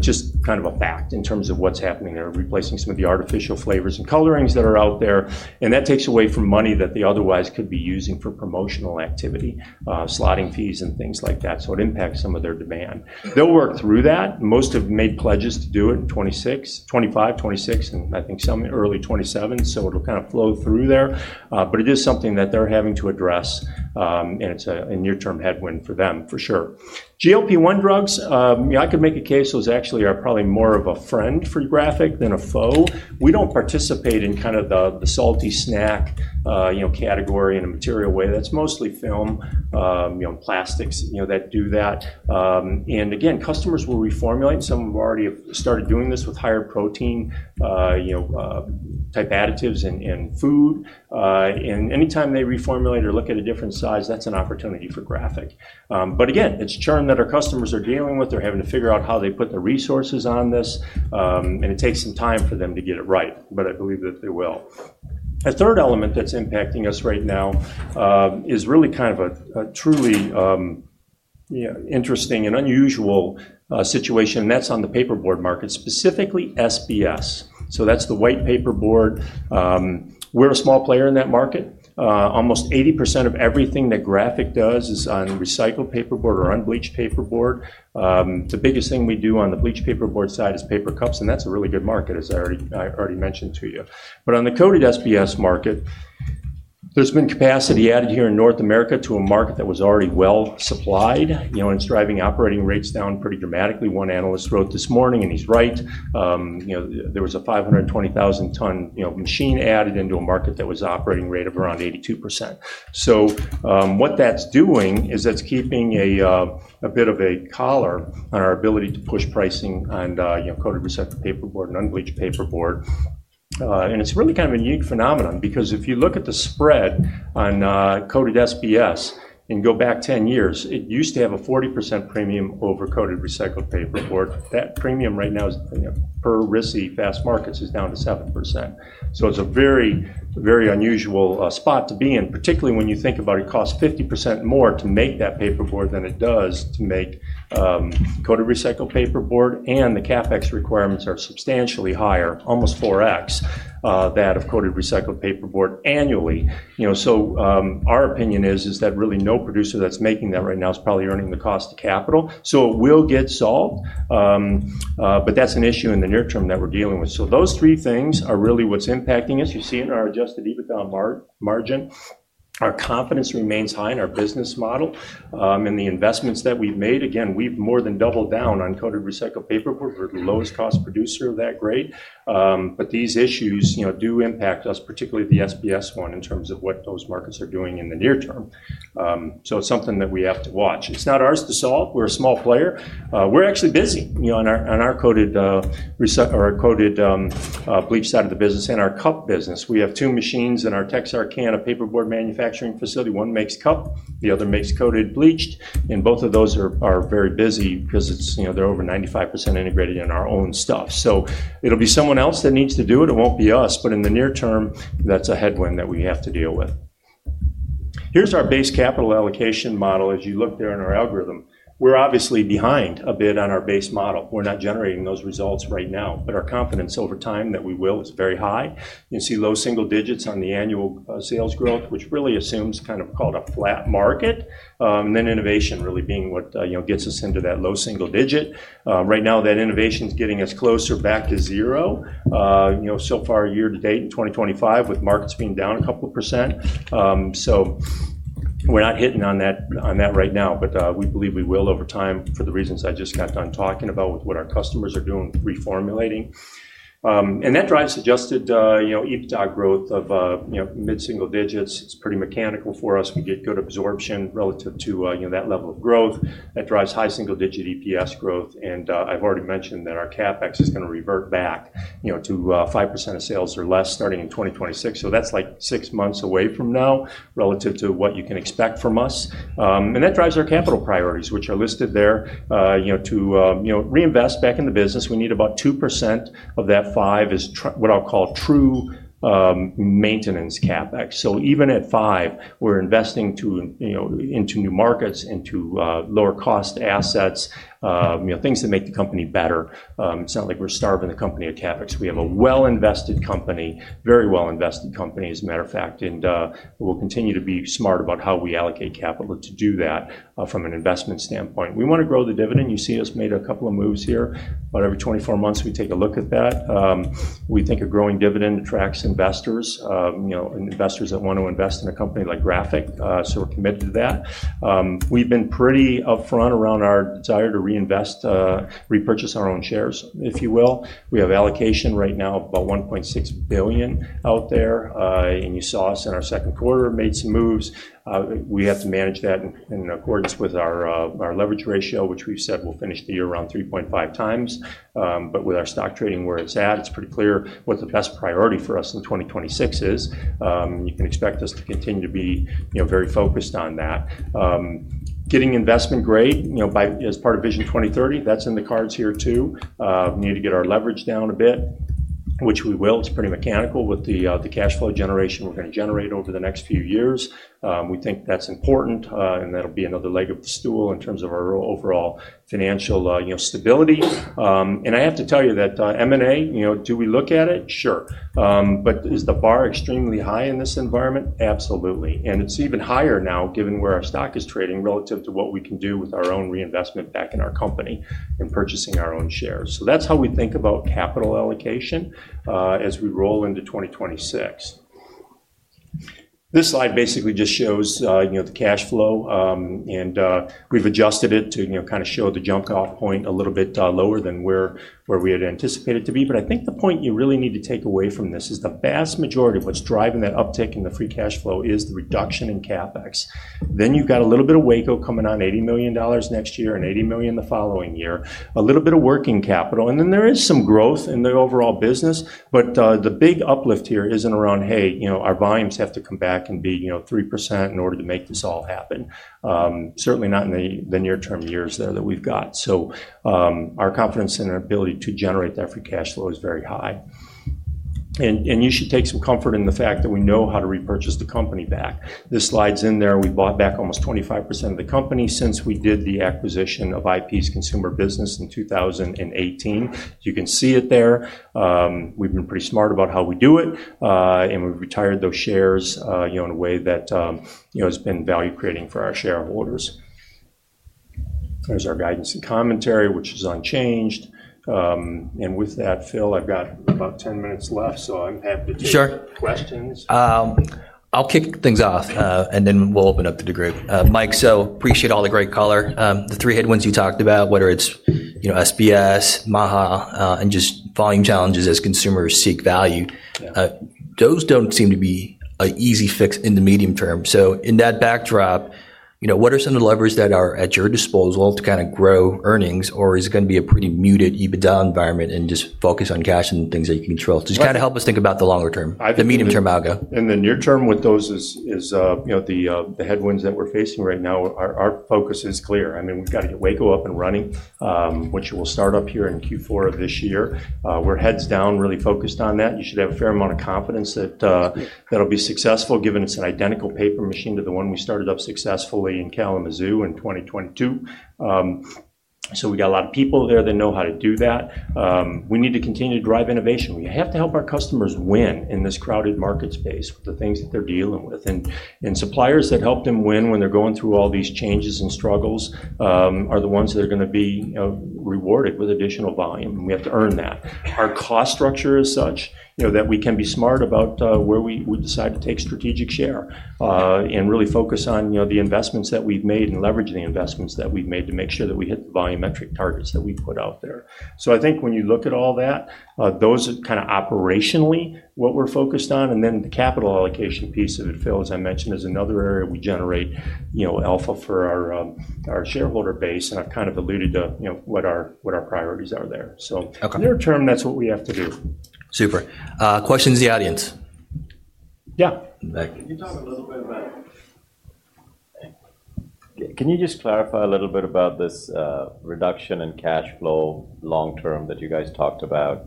Just kind of a fact in terms of what's happening there, replacing some of the artificial flavors and colorings that are out there. That takes away from money that they otherwise could be using for promotional activity, slotting fees, and things like that. It impacts some of their demand. They'll work through that. Most have made pledges to do it, 2025, 2026, and I think some early 2027. It'll kind of flow through there. It is something that they're having to address. It's a near-term headwind for them, for sure. GLP-1 drugs, I could make a case that was actually probably more of a friend for Graphic than a foe. We don't participate in the salty snack category in a material way. That's mostly film and plastics that do that. Customers will reformulate. Some have already started doing this with higher protein type additives in food. Anytime they reformulate or look at a different size, that's an opportunity for Graphic. It's churn that our customers are dealing with. They're having to figure out how they put their resources on this. It takes some time for them to get it right. I believe that they will. A third element that's impacting us right now is really kind of a truly interesting and unusual situation. That's on the paperboard market, specifically SBS. That's the white paperboard. We're a small player in that market. Almost 80% of everything that Graphic does is on recycled paperboard or unbleached paperboard. The biggest thing we do on the bleached paperboard side is paper cups. That's a really good market, as I already mentioned to you. On the coated SBS market, there's been capacity added here in North America to a market that was already well supplied. It's driving operating rates down pretty dramatically, one analyst wrote this morning. He's right. There was a 520,000-ton machine added into a market that was operating rate of around 82%. What that's doing is that's keeping a bit of a collar on our ability to push pricing on coated recycled paperboard and unbleached paperboard. It's really kind of a unique phenomenon because if you look at the spread on coated SBS and go back 10 years, it used to have a 40% premium over coated recycled paperboard. That premium right now per RISI fast markets is down to 7%. It's a very, very unusual spot to be in, particularly when you think about it. It costs 50% more to make that paperboard than it does to make coated recycled paperboard. The CapEx requirements are substantially higher, almost 4x that of coated recycled paperboard annually. Our opinion is that really no producer that's making that right now is probably earning the cost of capital. It will get solved. That's an issue in the near term that we're dealing with. Those three things are really what's impacting us. You see it in our adjusted EBITDA margin. Our confidence remains high in our business model. The investments that we've made, again, we've more than doubled down on coated recycled paperboard. We're the lowest cost producer of that grade. These issues do impact us, particularly the SBS one, in terms of what those markets are doing in the near term. It is something that we have to watch. It's not ours to solve. We're a small player. We're actually busy on our coated bleached side of the business and our cup business. We have two machines in our Texarkana paperboard manufacturing facility. One makes cup, the other makes coated bleached. Both of those are very busy because they're over 95% integrated in our own stuff. It will be someone else that needs to do it. It won't be us. In the near term, that's a headwind that we have to deal with. Here's our base capital allocation model. As you look there in our algorithm, we're obviously behind a bit on our base model. We're not generating those results right now. Our confidence over time that we will is very high. You can see low single digits on the annual sales growth, which really assumes kind of called a flat market, then innovation really being what gets us into that low single digit. Right now, that innovation is getting us closer back to zero. So far, year to date, in 2025, with markets being down a couple percent, we're not hitting on that right now. We believe we will over time for the reasons I just got done talking about with what our customers are doing, reformulating. That drives adjusted EBITDA growth of mid-single digits. It's pretty mechanical for us. We get good absorption relative to that level of growth. That drives high single-digit EPS growth. I've already mentioned that our CapEx is going to revert back to 5% of sales or less starting in 2026. That's like six months away from now relative to what you can expect from us. That drives our capital priorities, which are listed there, to reinvest back in the business. We need about 2% of that 5% is what I'll call true maintenance CapEx. Even at 5%, we're investing into new markets, into lower-cost assets, things that make the company better. It's not like we're starving the company at CapEx. We have a well-invested company, very well-invested company, as a matter of fact. We'll continue to be smart about how we allocate capital to do that from an investment standpoint. We want to grow the dividend. You see us made a couple of moves here. About every 24 months, we take a look at that. We think a growing dividend attracts investors, investors that want to invest in a company like Graphic. We are committed to that. We have been pretty upfront around our desire to reinvest, repurchase our own shares, if you will. We have allocation right now about $1.6 billion out there. You saw us in our second quarter made some moves. We have to manage that in accordance with our leverage ratio, which we have said will finish the year around 3.5x. With our stock trading where it is at, it is pretty clear what the best priority for us in 2026 is. You can expect us to continue to be very focused on that. Getting investment grade as part of Vision 2030, that is in the cards here too. We need to get our leverage down a bit, which we will. It is pretty mechanical with the cash flow generation we are going to generate over the next few years. We think that is important. That will be another leg of the stool in terms of our overall financial stability. I have to tell you that M&A, do we look at it? Sure. Is the bar extremely high in this environment? Absolutely. It is even higher now given where our stock is trading relative to what we can do with our own reinvestment back in our company and purchasing our own shares. That is how we think about capital allocation as we roll into 2026. This slide basically just shows the cash flow. We have adjusted it to kind of show the jump-off point a little bit lower than where we had anticipated it to be. I think the point you really need to take away from this is the vast majority of what is driving that uptick in the free cash flow is the reduction in CapEx. Then you have got a little bit of Waco coming on, $80 million next year and $80 million the following year, a little bit of working capital. There is some growth in the overall business. The big uplift here is not around, hey, our volumes have to come back and be 3% in order to make this all happen. Certainly not in the near-term years that we have got. Our confidence in our ability to generate that free cash flow is very high. You should take some comfort in the fact that we know how to repurchase the company back. This slide is in there. We bought back almost 25% of the company since we did the acquisition of IP's consumer business in 2018. You can see it there. We have been pretty smart about how we do it. We have retired those shares in a way that has been value creating for our shareholders. There is our guidance and commentary, which is unchanged. With that, Phil, I have about 10 minutes left. Sure. I'll kick things off. Then we'll open up to the group. Mike, so appreciate all the great color. The three headwinds you talked about, whether it's SBS, MAHA, and just volume challenges as consumers seek value, those don't seem to be an easy fix in the medium term. In that backdrop, what are some of the levers that are at your disposal to kind of grow earnings? Is it going to be a pretty muted EBITDA environment and just focus on cash and things that you can control? Just kind of help us think about the longer term, the medium-term algo. In the near term with those is the headwinds that we're facing right now. Our focus is clear. We've got to get Waco up and running, which we'll start up here in Q4 of this year. We're heads down really focused on that. You should have a fair amount of confidence that that'll be successful, given it's an identical paper machine to the one we started up successfully in Kalamazoo in 2022. We got a lot of people there that know how to do that. We need to continue to drive innovation. We have to help our customers win in this crowded market space with the things that they're dealing with. Suppliers that help them win when they're going through all these changes and struggles are the ones that are going to be rewarded with additional volume. We have to earn that. Our cost structure is such that we can be smart about where we decide to take strategic share and really focus on the investments that we've made and leveraging the investments that we've made to make sure that we hit the volumetric targets that we put out there. When you look at all that, those are kind of operationally what we're focused on. The capital allocation piece of it, Phil, as I mentioned, is another area we generate alpha for our shareholder base. I've kind of alluded to what our priorities are there. Near term, that's what we have to do. Super. Questions in the audience? Yeah. Can you just clarify a little bit about this reduction in cash flow long term that you guys talked about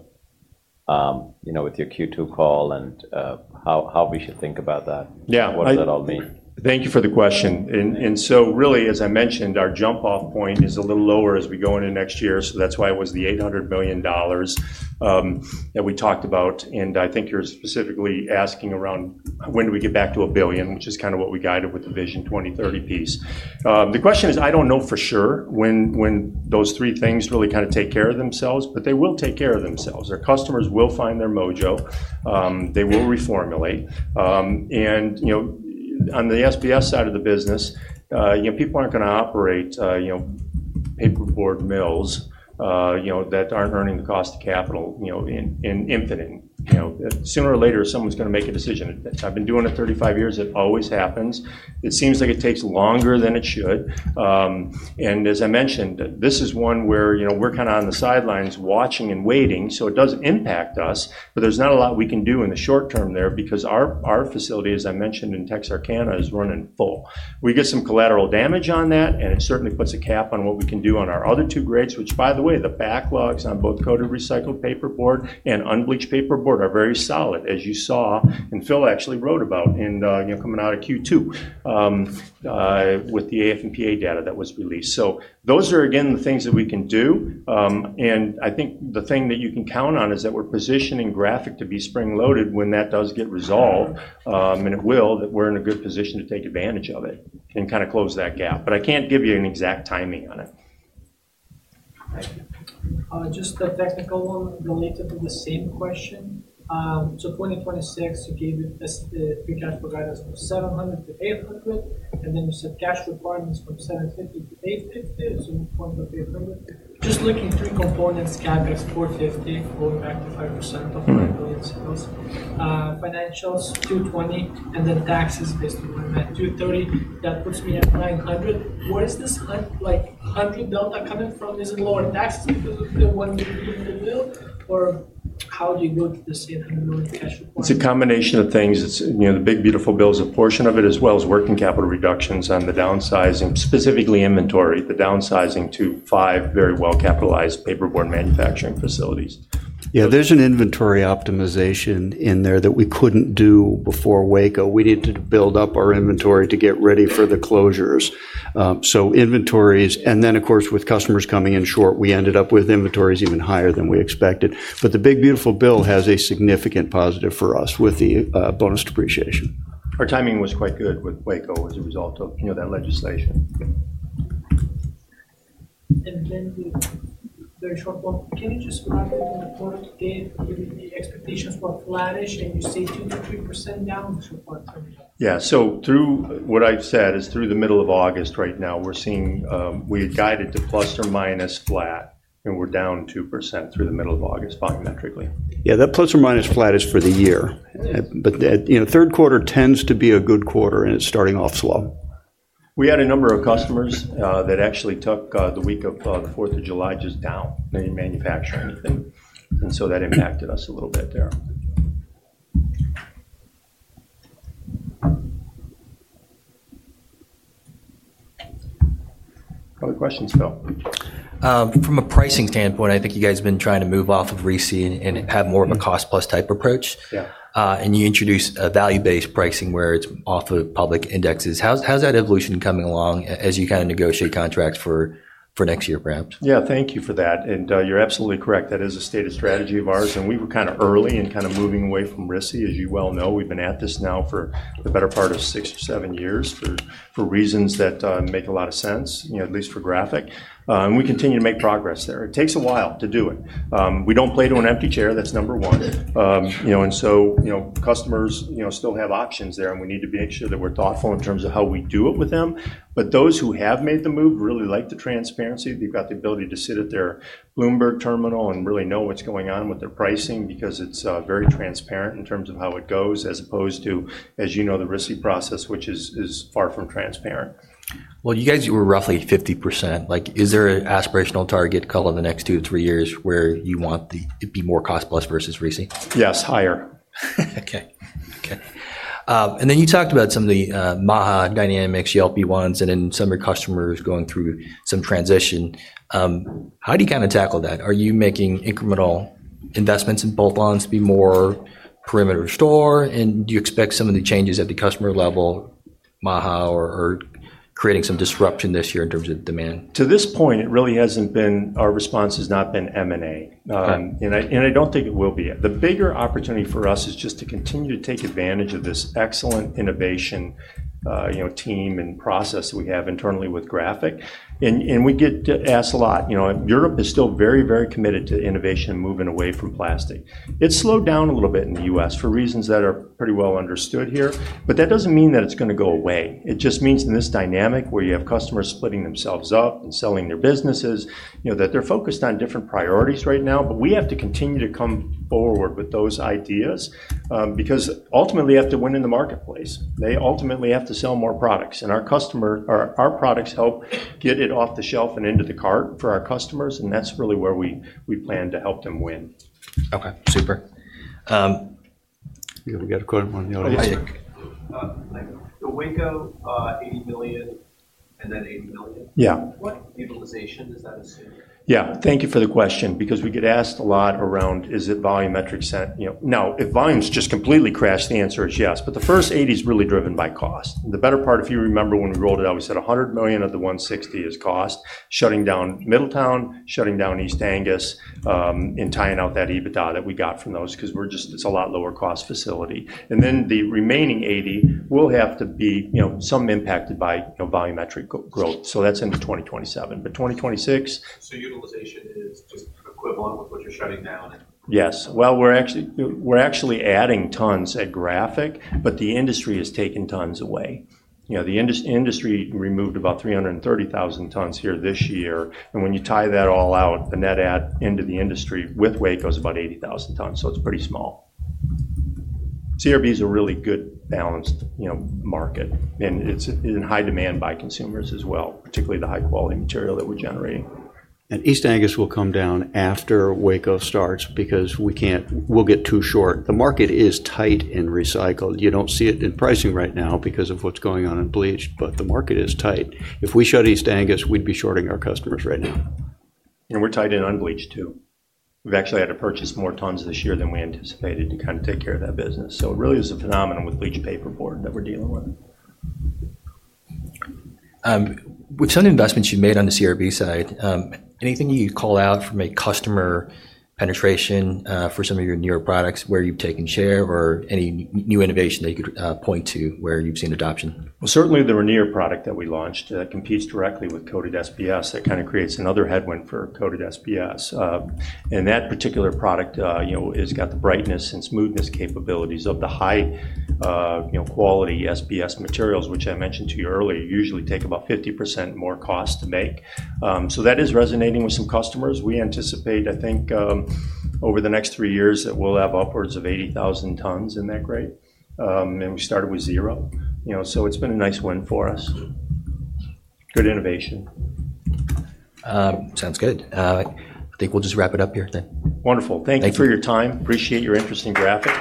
with your Q2 call and how we should think about that? Yeah. What does that all mean? Thank you for the question. As I mentioned, our jump-off point is a little lower as we go into next year. That is why it was the $800 million that we talked about. I think you're specifically asking around when do we get back to a billion, which is kind of what we guided with the Vision 2030 piece. The question is, I don't know for sure when those three things really kind of take care of themselves, but they will take care of themselves. Our customers will find their mojo. They will reformulate. On the SBS side of the business, people aren't going to operate paperboard mills that aren't earning the cost of capital in infinite. Sooner or later, someone's going to make a decision. I've been doing it 35 years. It always happens. It seems like it takes longer than it should. As I mentioned, this is one where we're kind of on the sidelines watching and waiting. It does impact us. There's not a lot we can do in the short term there because our facility, as I mentioned, in Texarkana is running full. We get some collateral damage on that. It certainly puts a cap on what we can do on our other two grades, which, by the way, the backlogs on both coated recycled paperboard and unbleached paperboard are very solid, as you saw and Phil actually wrote about coming out of Q2 with the AF&PA data that was released. Those are, again, the things that we can do. I think the thing that you can count on is that we're positioning Graphic to be spring-loaded when that does get resolved, and it will, that we're in a good position to take advantage of it and kind of close that gap. I can't give you an exact timing on it. Just the technical one related to the same question. 2026, you gave us the free cash flow providers from $700 million-$800 million. You said cash requirements from $750 million-$850 million, so we want to pay for them. Just looking through components, it's 450% of those financials, $220 million, and then taxes based on that. $230 million, that puts me at $900 million. Where is this like $100 million coming from? Is it lower? That's the one you need to do the bill? Or how do you go to this $800 million? It's a combination of things. The big beautiful bill is a portion of it, as well as working capital reductions on the downsizing, specifically inventory, the downsizing to five very well-capitalized paperboard manufacturing facilities. There's an inventory optimization in there that we couldn't do before Waco. We needed to build up our inventory to get ready for the closures. Inventories, and then, of course, with customers coming in short, we ended up with inventories even higher than we expected. The big beautiful bill has a significant positive for us with the bonus depreciation. Our timing was quite good with Waco as a result of that legislation. The short-term pattern for the fourth quarter is the expectations were flattish. You say 2% to 3% down. Yeah. Through what I've said is through the middle of August right now, we're seeing we had guided to plus or minus flat, and we're down 2% through the middle of August volumetrically. Yeah, that plus or minus flat is for the year. The third quarter tends to be a good quarter, and it's starting off slow. We had a number of customers that actually took the week of the 4th of July just down. They didn't manufacture anything, and that impacted us a little bit there. A couple of questions, Phil. From a pricing standpoint, I think you guys have been trying to move off of RISI and have more of a cost-plus type approach. Yeah, and you introduced a value-based pricing where it's off of public indexes. How's that evolution coming along as you kind of negotiate contracts for next year, perhaps? Yeah, thank you for that. You're absolutely correct. That is a stated strategy of ours. We were kind of early in moving away from RISI, as you well know. We've been at this now for the better part of six or seven years for reasons that make a lot of sense, at least for Graphic. We continue to make progress there. It takes a while to do it. We don't play to an empty chair. That's number one. Customers still have options there, and we need to make sure that we're thoughtful in terms of how we do it with them. Those who have made the move really like the transparency. They've got the ability to sit at their Bloomberg terminal and really know what's going on with their pricing because it's very transparent in terms of how it goes, as opposed to, as you know, the RISI process, which is far from transparent. You guys were roughly 50%. Is there an aspirational target call in the next two-three years where you want to be more cost-plus versus Receipt? Yes, higher. OK. You talked about some of the MAHA movement dynamics, GLP-1 drugs, and then some of your customers going through some transition. How do you kind of tackle that? Are you making incremental investments in both ones to be more perimeter store? Do you expect some of the changes at the customer level, MAHA, or creating some disruption this year in terms of demand? To this point, it really hasn't been our response has not been M&A. I don't think it will be yet. The bigger opportunity for us is just to continue to take advantage of this excellent innovation team and process that we have internally with Graphic. We get asked a lot. Europe is still very, very committed to innovation and moving away from plastic. It's slowed down a little bit in the U.S. for reasons that are pretty well understood here. That doesn't mean that it's going to go away. It just means in this dynamic where you have customers splitting themselves up and selling their businesses, they're focused on different priorities right now. We have to continue to come forward with those ideas because ultimately, they have to win in the marketplace. They ultimately have to sell more products. Our products help get it off the shelf and into the cart for our customers. That's really where we plan to help them win. OK, super. Yeah, we got a question on the other. Yeah, yeah. Yeah, thank you for the question because we get asked a lot around, is it volumetric? No, if volumes just completely crash, the answer is yes. The first $80 million is really driven by cost. The better part, if you remember when we rolled it out, we said $100 million of the $160 million is cost, shutting down Middletown, shutting down East Angus, and tying out that EBITDA that we got from those because it's a lot lower cost facility. The remaining $80 million will have to be some impacted by volumetric growth. That's in 2027. In 2026, yes, we're actually adding tons at Graphic. The industry is taking tons away. The industry removed about 330,000 tons here this year. When you tie that all out, the net add into the industry with Waco is about 80,000 tons. It's pretty small. Coated recycled paperboard is a really good balanced market. It's in high demand by consumers as well, particularly the high-quality material that we're generating. East Angus will come down after Waco starts because we can't, we'll get too short. The market is tight in recycle. You don't see it in pricing right now because of what's going on in bleach. The market is tight. If we shut East Angus, we'd be shorting our customers right now. We're tied in on bleach too. We've actually had to purchase more tons this year than we anticipated to take care of that business. It really is a phenomenon with bleach paperboard that we're dealing with. With some investments you've made on the coated recycled paperboard side, anything you'd call out from a customer penetration for some of your newer products where you've taken share or any new innovation that you could point to where you've seen adoption? Certainly, the Ranier product that we launched that competes directly with coated SBS, that kind of creates another headwind for coated SBS. That particular product has got the brightness and smoothness capabilities of the high-quality SBS materials, which I mentioned to you earlier, usually take about 50% more cost to make. That is resonating with some customers. We anticipate, I think, over the next three years that we'll have upwards of 80,000 tons in that grade. We started with zero. It's been a nice win for us. Good innovation. Sounds good. I think we'll just wrap it up here. Wonderful. Thank you for your time. Appreciate your interest in Graphic Packaging Holding Company.